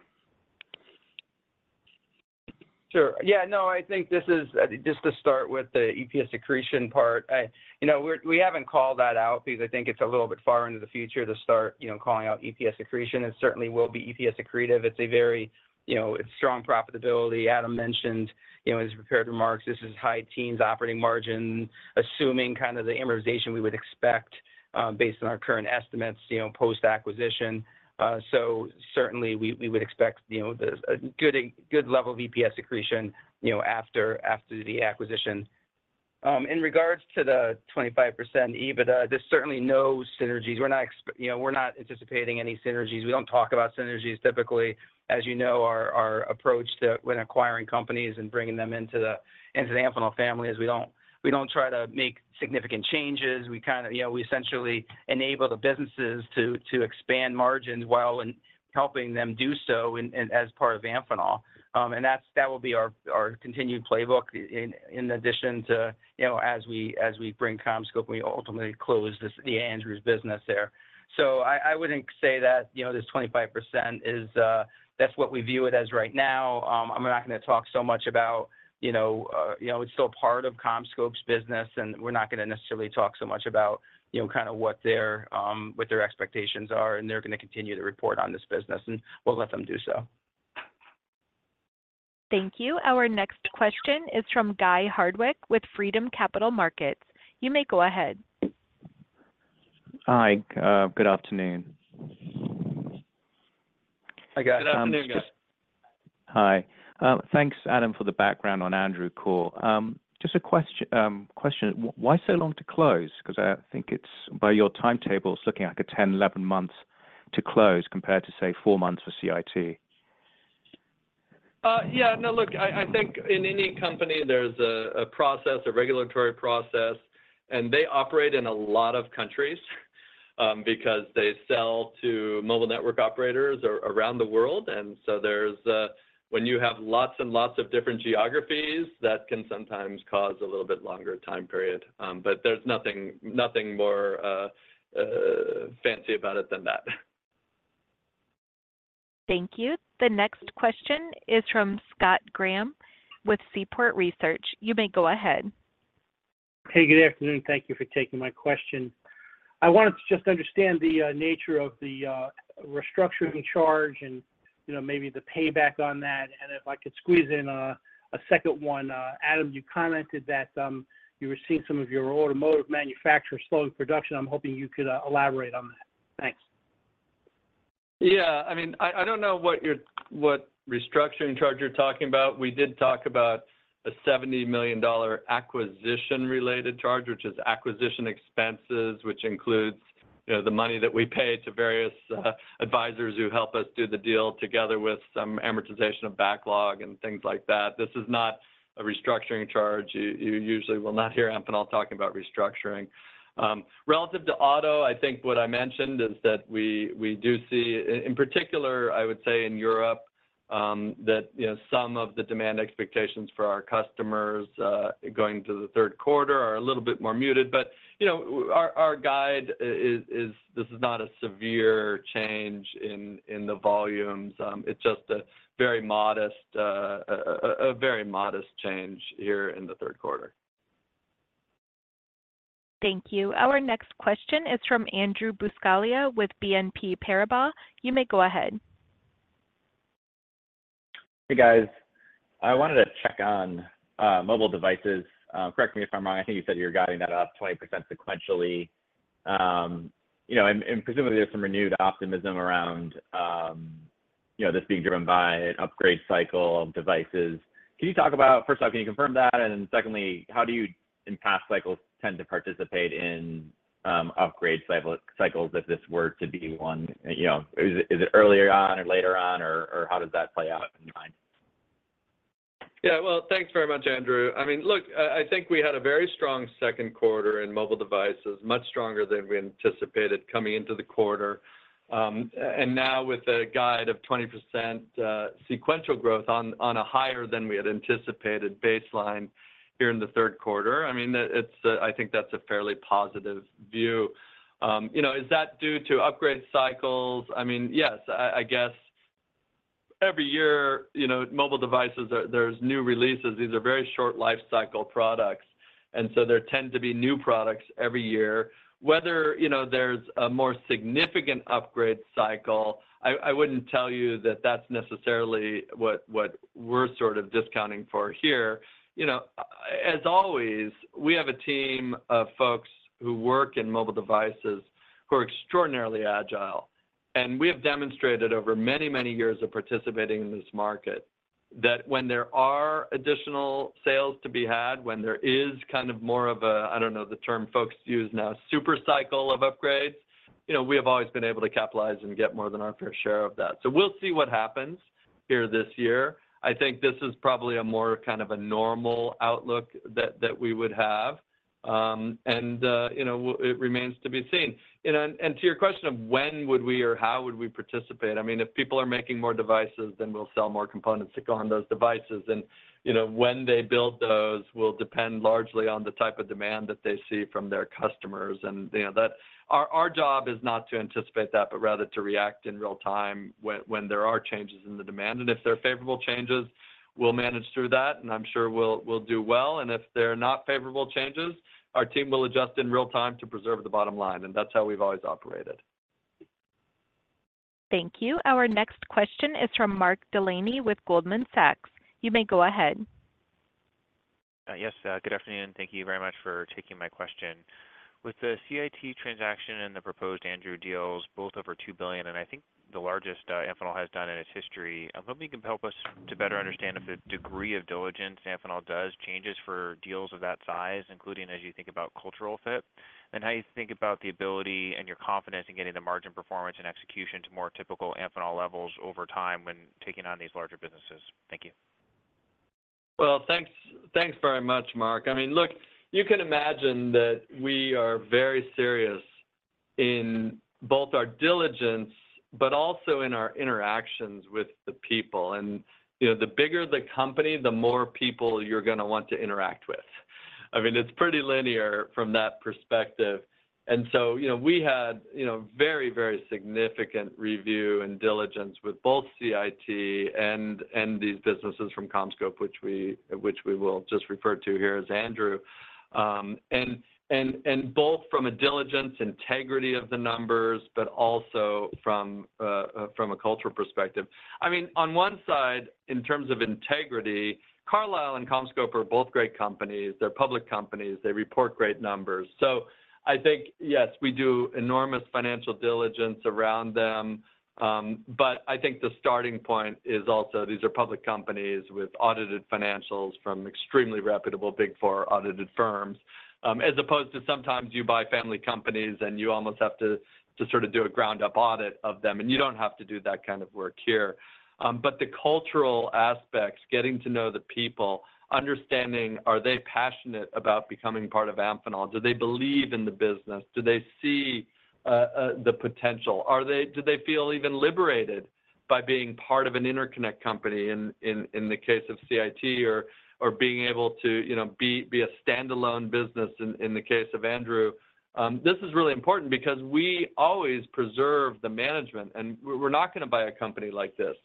Sure. Yeah. No, I think this is just to start with the EPS accretion part. We haven't called that out because I think it's a little bit far into the future to start calling out EPS accretion. It certainly will be EPS accretive. It's a very strong profitability. Adam mentioned in his prepared remarks, this is high teens operating margin, assuming kind of the amortization we would expect based on our current estimates post-acquisition. So certainly, we would expect a good level of EPS accretion after the acquisition. In regards to the 25% EBITDA, there's certainly no synergies. We're not anticipating any synergies. We don't talk about synergies. Typically, as you know, our approach when acquiring companies and bringing them into the Amphenol family is we don't try to make significant changes. We essentially enable the businesses to expand margins while helping them do so as part of Amphenol. And that will be our continued playbook in addition to as we bring CommScope and we ultimately close the Andrew's business there. So I wouldn't say that this 25% is that's what we view it as right now. I'm not going to talk so much about it's still part of CommScope's business, and we're not going to necessarily talk so much about kind of what their expectations are. They're going to continue to report on this business, and we'll let them do so. Thank you. Our next question is from Guy Hardwick with Freedom Capital Markets. You may go ahead. Hi. Good afternoon. Hi, guys. Good afternoon, guys. Hi. Thanks, Adam, for the background on Andrew call. Just a question. Why so long to close? Because I think by your timetable, it's looking like a 10, 11 months to close compared to, say, four months for CIT. Yeah. No, look, I think in any company, there's a process, a regulatory process, and they operate in a lot of countries because they sell to mobile network operators around the world. And so when you have lots and lots of different geographies, that can sometimes cause a little bit longer time period. But there's nothing more fancy about it than that. Thank you. The next question is from Scott Graham with Seaport Research Partners. You may go ahead. Hey, good afternoon. Thank you for taking my question. I wanted to just understand the nature of the restructuring charge and maybe the payback on that. And if I could squeeze in a second one. Adam, you commented that you were seeing some of your automotive manufacturers slowing production. I'm hoping you could elaborate on that. Thanks. Yeah. I mean, I don't know what restructuring charge you're talking about. We did talk about a $70 million acquisition-related charge, which is acquisition expenses, which includes the money that we pay to various advisors who help us do the deal together with some amortization of backlog and things like that. This is not a restructuring charge. You usually will not hear Amphenol talking about restructuring. Relative to auto, I think what I mentioned is that we do see, in particular, I would say in Europe, that some of the demand expectations for our customers going to the third quarter are a little bit more muted. But our guide is this is not a severe change in the volumes. It's just a very modest change here in the third quarter. Thank you. Our next question is from Andrew Buscaglia with BNP Paribas. You may go ahead. Hey, guys. I wanted to check on mobile devices. Correct me if I'm wrong. I think you said you were guiding that up 20% sequentially. And presumably, there's some renewed optimism around this being driven by an upgrade cycle of devices. Can you talk about first off, can you confirm that? And then secondly, how do you in past cycles tend to participate in upgrade cycles if this were to be one? Is it earlier on or later on, or how does that play out in mind? Yeah. Well, thanks very much, Andrew. I mean, look, I think we had a very strong second quarter in mobile devices, much stronger than we anticipated coming into the quarter. And now with a guide of 20% sequential growth on a higher than we had anticipated baseline here in the third quarter, I mean, I think that's a fairly positive view. Is that due to upgrade cycles? I mean, yes, I guess every year mobile devices, there's new releases. These are very short lifecycle products. And so there tend to be new products every year. Whether there's a more significant upgrade cycle, I wouldn't tell you that that's necessarily what we're sort of discounting for here. As always, we have a team of folks who work in mobile devices who are extraordinarily agile. And we have demonstrated over many, many years of participating in this market that when there are additional sales to be had, when there is kind of more of a, I don't know the term folks use now, super cycle of upgrades, we have always been able to capitalize and get more than our fair share of that. So we'll see what happens here this year. I think this is probably a more kind of a normal outlook that we would have. And it remains to be seen. To your question of when would we or how would we participate, I mean, if people are making more devices, then we'll sell more components to go on those devices. And when they build those will depend largely on the type of demand that they see from their customers. And our job is not to anticipate that, but rather to react in real time when there are changes in the demand. And if they're favorable changes, we'll manage through that, and I'm sure we'll do well. And if they're not favorable changes, our team will adjust in real time to preserve the bottom line. And that's how we've always operated. Thank you. Our next question is from Mark Delaney with Goldman Sachs. You may go ahead. Yes. Good afternoon. Thank you very much for taking my question. With the CIT transaction and the proposed Andrew deals, both over $2 billion, and I think the largest Amphenol has done in its history, I'm hoping you can help us to better understand if the degree of diligence Amphenol does changes for deals of that size, including as you think about cultural fit, and how you think about the ability and your confidence in getting the margin performance and execution to more typical Amphenol levels over time when taking on these larger businesses. Thank you. Well, thanks very much, Mark. I mean, look, you can imagine that we are very serious in both our diligence, but also in our interactions with the people. And the bigger the company, the more people you're going to want to interact with. I mean, it's pretty linear from that perspective. We had very, very significant review and diligence with both CIT and these businesses from CommScope, which we will just refer to here as Andrew. And both from a diligence integrity of the numbers, but also from a cultural perspective. I mean, on one side, in terms of integrity, Carlyle and CommScope are both great companies. They're public companies. They report great numbers. So I think, yes, we do enormous financial diligence around them. But I think the starting point is also these are public companies with audited financials from extremely reputable Big Four audited firms, as opposed to sometimes you buy family companies and you almost have to sort of do a ground-up audit of them. And you don't have to do that kind of work here. But the cultural aspects, getting to know the people, understanding are they passionate about becoming part of Amphenol? Do they believe in the business? Do they see the potential? Do they feel even liberated by being part of an interconnect company in the case of CIT or being able to be a standalone business in the case of Andrew? This is really important because we always preserve the management. We're not going to buy a company like this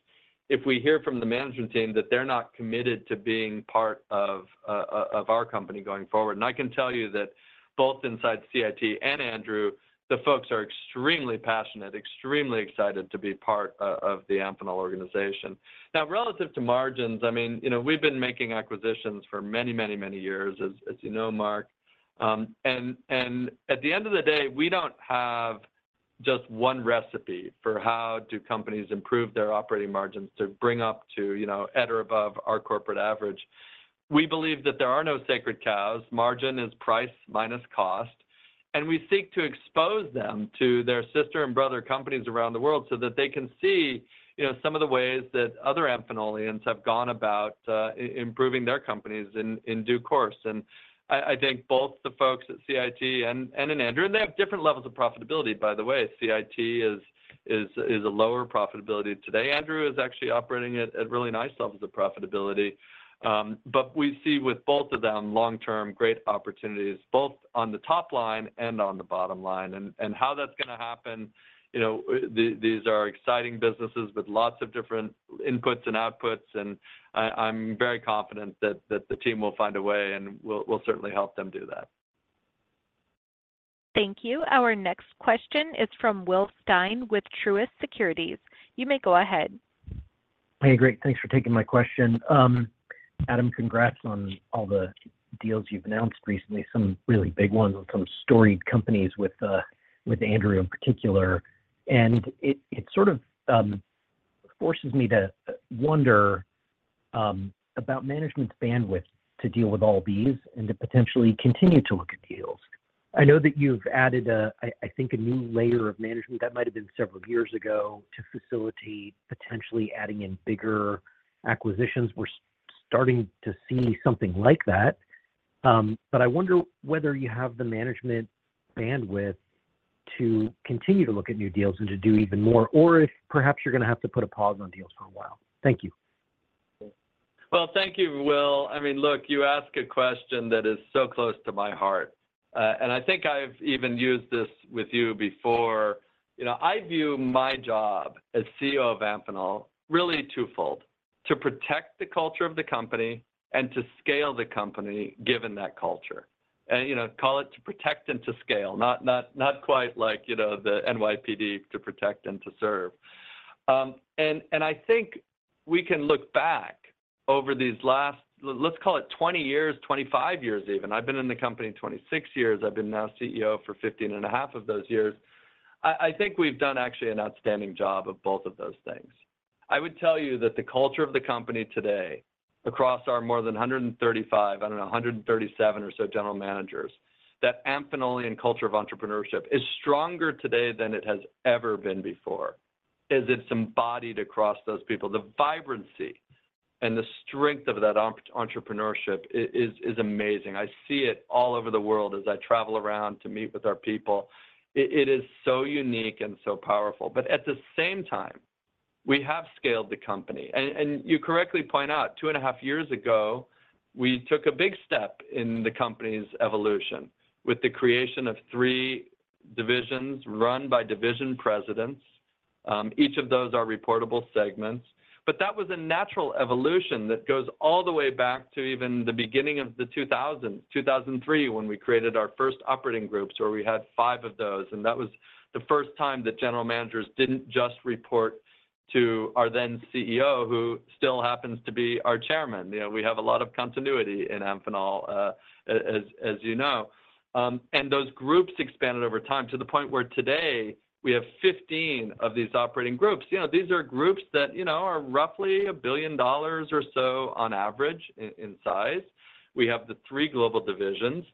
if we hear from the management team that they're not committed to being part of our company going forward. I can tell you that both inside CIT and Andrew, the folks are extremely passionate, extremely excited to be part of the Amphenol organization. Now, relative to margins, I mean, we've been making acquisitions for many, many, many years, as you know, Mark. At the end of the day, we don't have just one recipe for how companies improve their operating margins to bring up to at or above our corporate average. We believe that there are no sacred cows. Margin is price minus cost. And we seek to expose them to their sister and brother companies around the world so that they can see some of the ways that other Amphenolians have gone about improving their companies in due course. And I think both the folks at CIT and in Andrew, and they have different levels of profitability, by the way. CIT is a lower profitability today. Andrew is actually operating at really nice levels of profitability. But we see with both of them long-term great opportunities, both on the top line and on the bottom line. And how that's going to happen. These are exciting businesses with lots of different inputs and outputs. And I'm very confident that the team will find a way and we'll certainly help them do that. Thank you. Our next question is from Will Stein with Truist Securities. You may go ahead. Hey, great. Thanks for taking my question. Adam, congrats on all the deals you've announced recently, some really big ones and some storied companies with Andrew in particular. And it sort of forces me to wonder about management's bandwidth to deal with all these and to potentially continue to look at deals. I know that you've added, I think, a new layer of management that might have been several years ago to facilitate potentially adding in bigger acquisitions. We're starting to see something like that. But I wonder whether you have the management bandwidth to continue to look at new deals and to do even more, or if perhaps you're going to have to put a pause on deals for a while. Thank you. Well, thank you, Will. I mean, look, you ask a question that is so close to my heart. And I think I've even used this with you before. I view my job as CEO of Amphenol really twofold: to protect the culture of the company and to scale the company given that culture. And call it to protect and to scale, not quite like the NYPD to protect and to serve. And I think we can look back over these last, let's call it 20 years, 25 years even. I've been in the company 26 years. I've been now CEO for 15.5 of those years. I think we've done actually an outstanding job of both of those things. I would tell you that the culture of the company today across our more than 135, I don't know, 137 or so general managers, that Amphenolian culture of entrepreneurship is stronger today than it has ever been before. As it's embodied across those people, the vibrancy and the strength of that entrepreneurship is amazing. I see it all over the world as I travel around to meet with our people. It is so unique and so powerful. But at the same time, we have scaled the company. And you correctly point out, two and a half years ago, we took a big step in the company's evolution with the creation of three divisions run by division presidents. Each of those are reportable segments. But that was a natural evolution that goes all the way back to even the beginning of the 2000s, 2003, when we created our first operating groups where we had 5 of those. And that was the first time that general managers didn't just report to our then CEO, who still happens to be our chairman. We have a lot of continuity in Amphenol, as you know. And those groups expanded over time to the point where today we have 15 of these operating groups. These are groups that are roughly $1 billion or so on average in size. We have the three global divisions.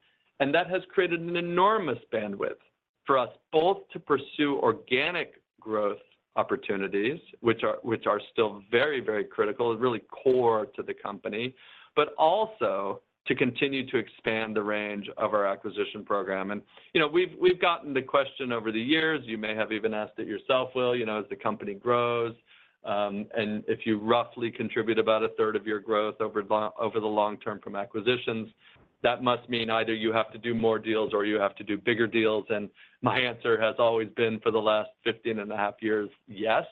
And that has created an enormous bandwidth for us both to pursue organic growth opportunities, which are still very, very critical and really core to the company, but also to continue to expand the range of our acquisition program. We've gotten the question over the years. You may have even asked it yourself, Will, as the company grows. If you roughly contribute about a third of your growth over the long term from acquisitions, that must mean either you have to do more deals or you have to do bigger deals. My answer has always been for the last 15.5 years, yes,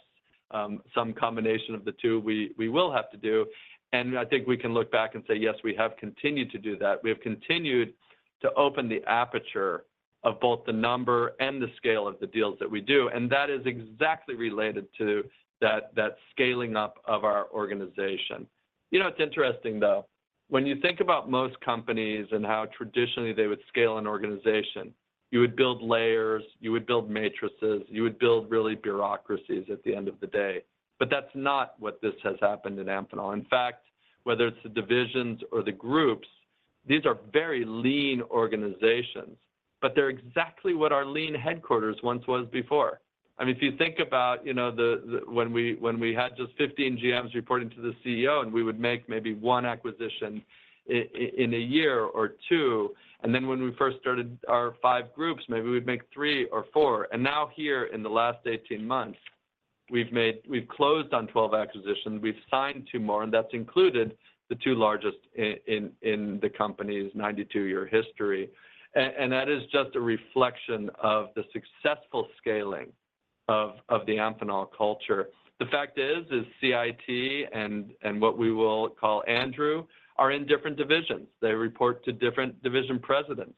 some combination of the two we will have to do. I think we can look back and say, yes, we have continued to do that. We have continued to open the aperture of both the number and the scale of the deals that we do. That is exactly related to that scaling up of our organization. It's interesting, though, when you think about most companies and how traditionally they would scale an organization, you would build layers, you would build matrices, you would build really bureaucracies at the end of the day. But that's not what this has happened in Amphenol. In fact, whether it's the divisions or the groups, these are very lean organizations, but they're exactly what our lean headquarters once was before. I mean, if you think about when we had just 15 GMs reporting to the CEO and we would make maybe one acquisition in a year or two. And then when we first started our five groups, maybe we'd make three or four. And now here in the last 18 months, we've closed on 12 acquisitions. We've signed two more, and that's included the two largest in the company's 92-year history. And that is just a reflection of the successful scaling of the Amphenol culture. The fact is, CIT and what we will call Andrew are in different divisions. They report to different division presidents.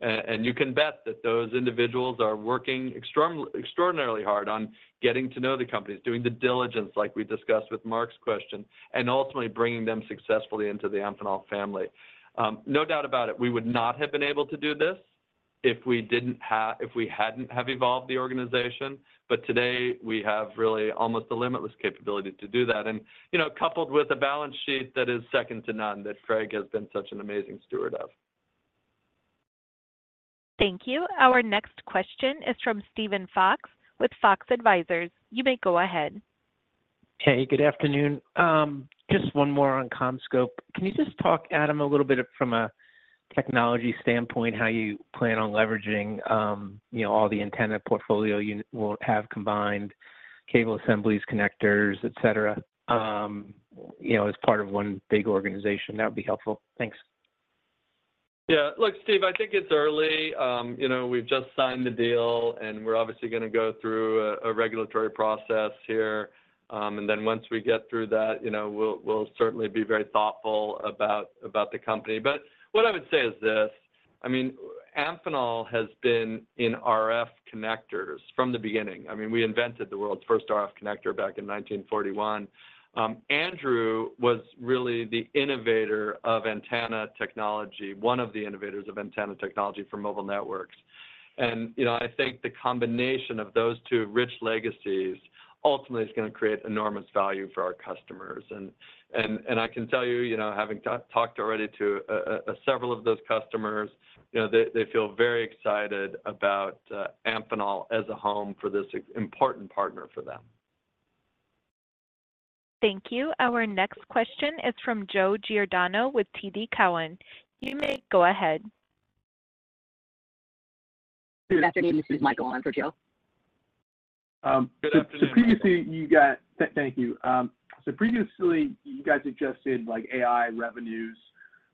And you can bet that those individuals are working extraordinarily hard on getting to know the companies, doing the diligence like we discussed with Mark's question, and ultimately bringing them successfully into the Amphenol family. No doubt about it. We would not have been able to do this if we hadn't have evolved the organization. But today, we have really almost a limitless capability to do that, and coupled with a balance sheet that is second to none that Craig has been such an amazing steward of. Thank you. Our next question is from Steven Fox with Fox Advisors. You may go ahead. Hey, good afternoon. Just one more on CommScope. Can you just talk, Adam, a little bit from a technology standpoint, how you plan on leveraging all the antenna portfolio you will have combined, cable assemblies, connectors, etc., as part of one big organization? That would be helpful. Thanks. Yeah. Look, Steve, I think it's early. We've just signed the deal, and we're obviously going to go through a regulatory process here. And then once we get through that, we'll certainly be very thoughtful about the company. But what I would say is this. I mean, Amphenol has been in RF connectors from the beginning. I mean, we invented the world's first RF connector back in 1941. Andrew was really the innovator of antenna technology, one of the innovators of antenna technology for mobile networks. And I think the combination of those two rich legacies ultimately is going to create enormous value for our customers. And I can tell you, having talked already to several of those customers, they feel very excited about Amphenol as a home for this important partner for them. Thank you. Our next question is from Joe Giordano with TD Cowen. You may go ahead. Good afternoon. This is Michael on for Joe. So previously, you guys suggested AI revenues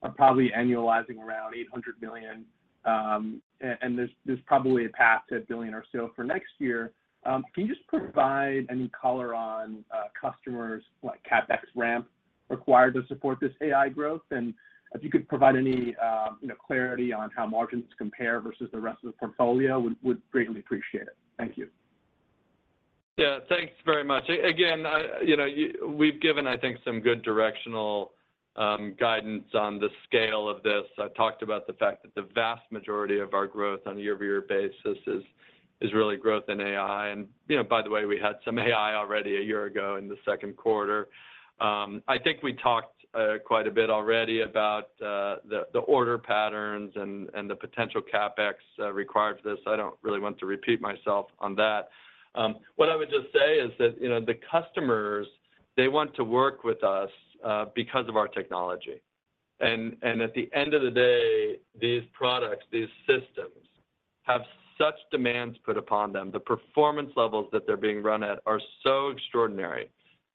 are probably annualizing around $800 million, and there's probably a path to $1 billion or so for next year. Can you just provide any color on customers like CapEx ramp required to support this AI growth? And if you could provide any clarity on how margins compare versus the rest of the portfolio, we'd greatly appreciate it. Thank you. Yeah. Thanks very much. Again, we've given, I think, some good directional guidance on the scale of this. I talked about the fact that the vast majority of our growth on a year-over-year basis is really growth in AI. And by the way, we had some AI already a year ago in the second quarter. I think we talked quite a bit already about the order patterns and the potential CapEx required for this. I don't really want to repeat myself on that. What I would just say is that the customers, they want to work with us because of our technology. And at the end of the day, these products, these systems have such demands put upon them. The performance levels that they're being run at are so extraordinary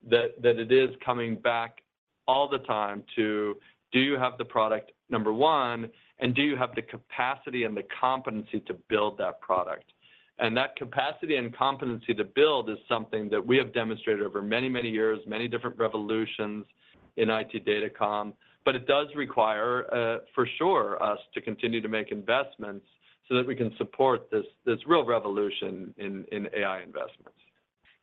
that it is coming back all the time to, do you have the product, number one, and do you have the capacity and the competency to build that product? And that capacity and competency to build is something that we have demonstrated over many, many years, many different revolutions in IT data comms. But it does require, for sure, us to continue to make investments so that we can support this real revolution in AI investments.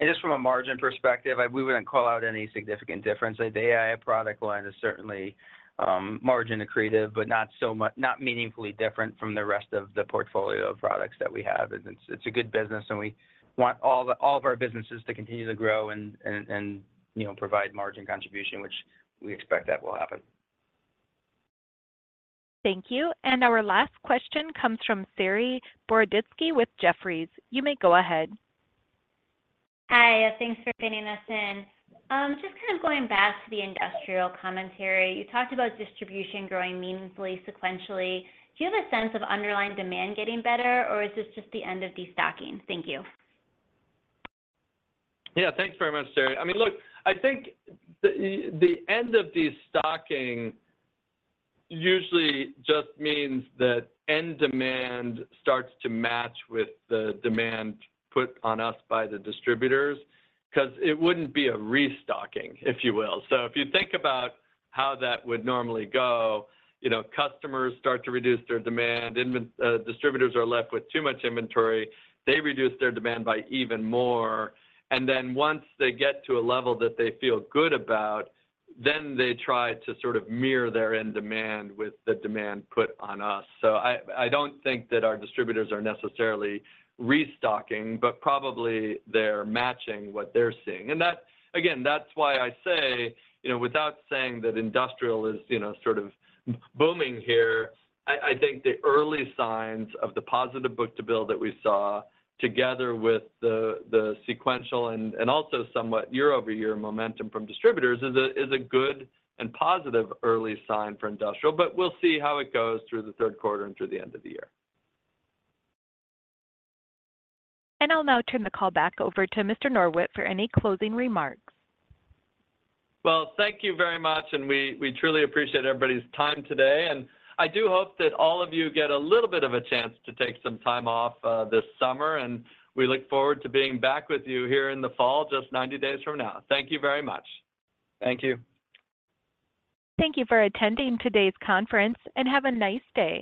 And just from a margin perspective, we wouldn't call out any significant difference. The AI product line is certainly margin accretive, but not meaningfully different from the rest of the portfolio of products that we have. It's a good business, and we want all of our businesses to continue to grow and provide margin contribution, which we expect that will happen. Thank you. And our last question comes from Saree Boroditsky with Jefferies. You may go ahead. Hi. Thanks for getting us in. Just kind of going back to the industrial commentary, you talked about distribution growing meaningfully, sequentially. Do you have a sense of underlying demand getting better, or is this just the end of the stocking? Thank you. Yeah. Thanks very much, Saree. I mean, look, I think the end of the stocking usually just means that end demand starts to match with the demand put on us by the distributors because it wouldn't be a restocking, if you will. So if you think about how that would normally go, customers start to reduce their demand. Distributors are left with too much inventory. They reduce their demand by even more. And then once they get to a level that they feel good about, then they try to sort of mirror their end demand with the demand put on us. So I don't think that our distributors are necessarily restocking, but probably they're matching what they're seeing. And again, that's why I say, without saying that industrial is sort of booming here, I think the early signs of the positive book-to-bill that we saw together with the sequential and also somewhat year-over-year momentum from distributors is a good and positive early sign for industrial. But we'll see how it goes through the third quarter and through the end of the year. And I'll now turn the call back over to Mr. Norwitt for any closing remarks. Well, thank you very much, and we truly appreciate everybody's time today. And I do hope that all of you get a little bit of a chance to take some time off this summer, and we look forward to being back with you here in the fall just 90 days from now. Thank you very much. Thank you. Thank you for attending today's conference, and have a nice day.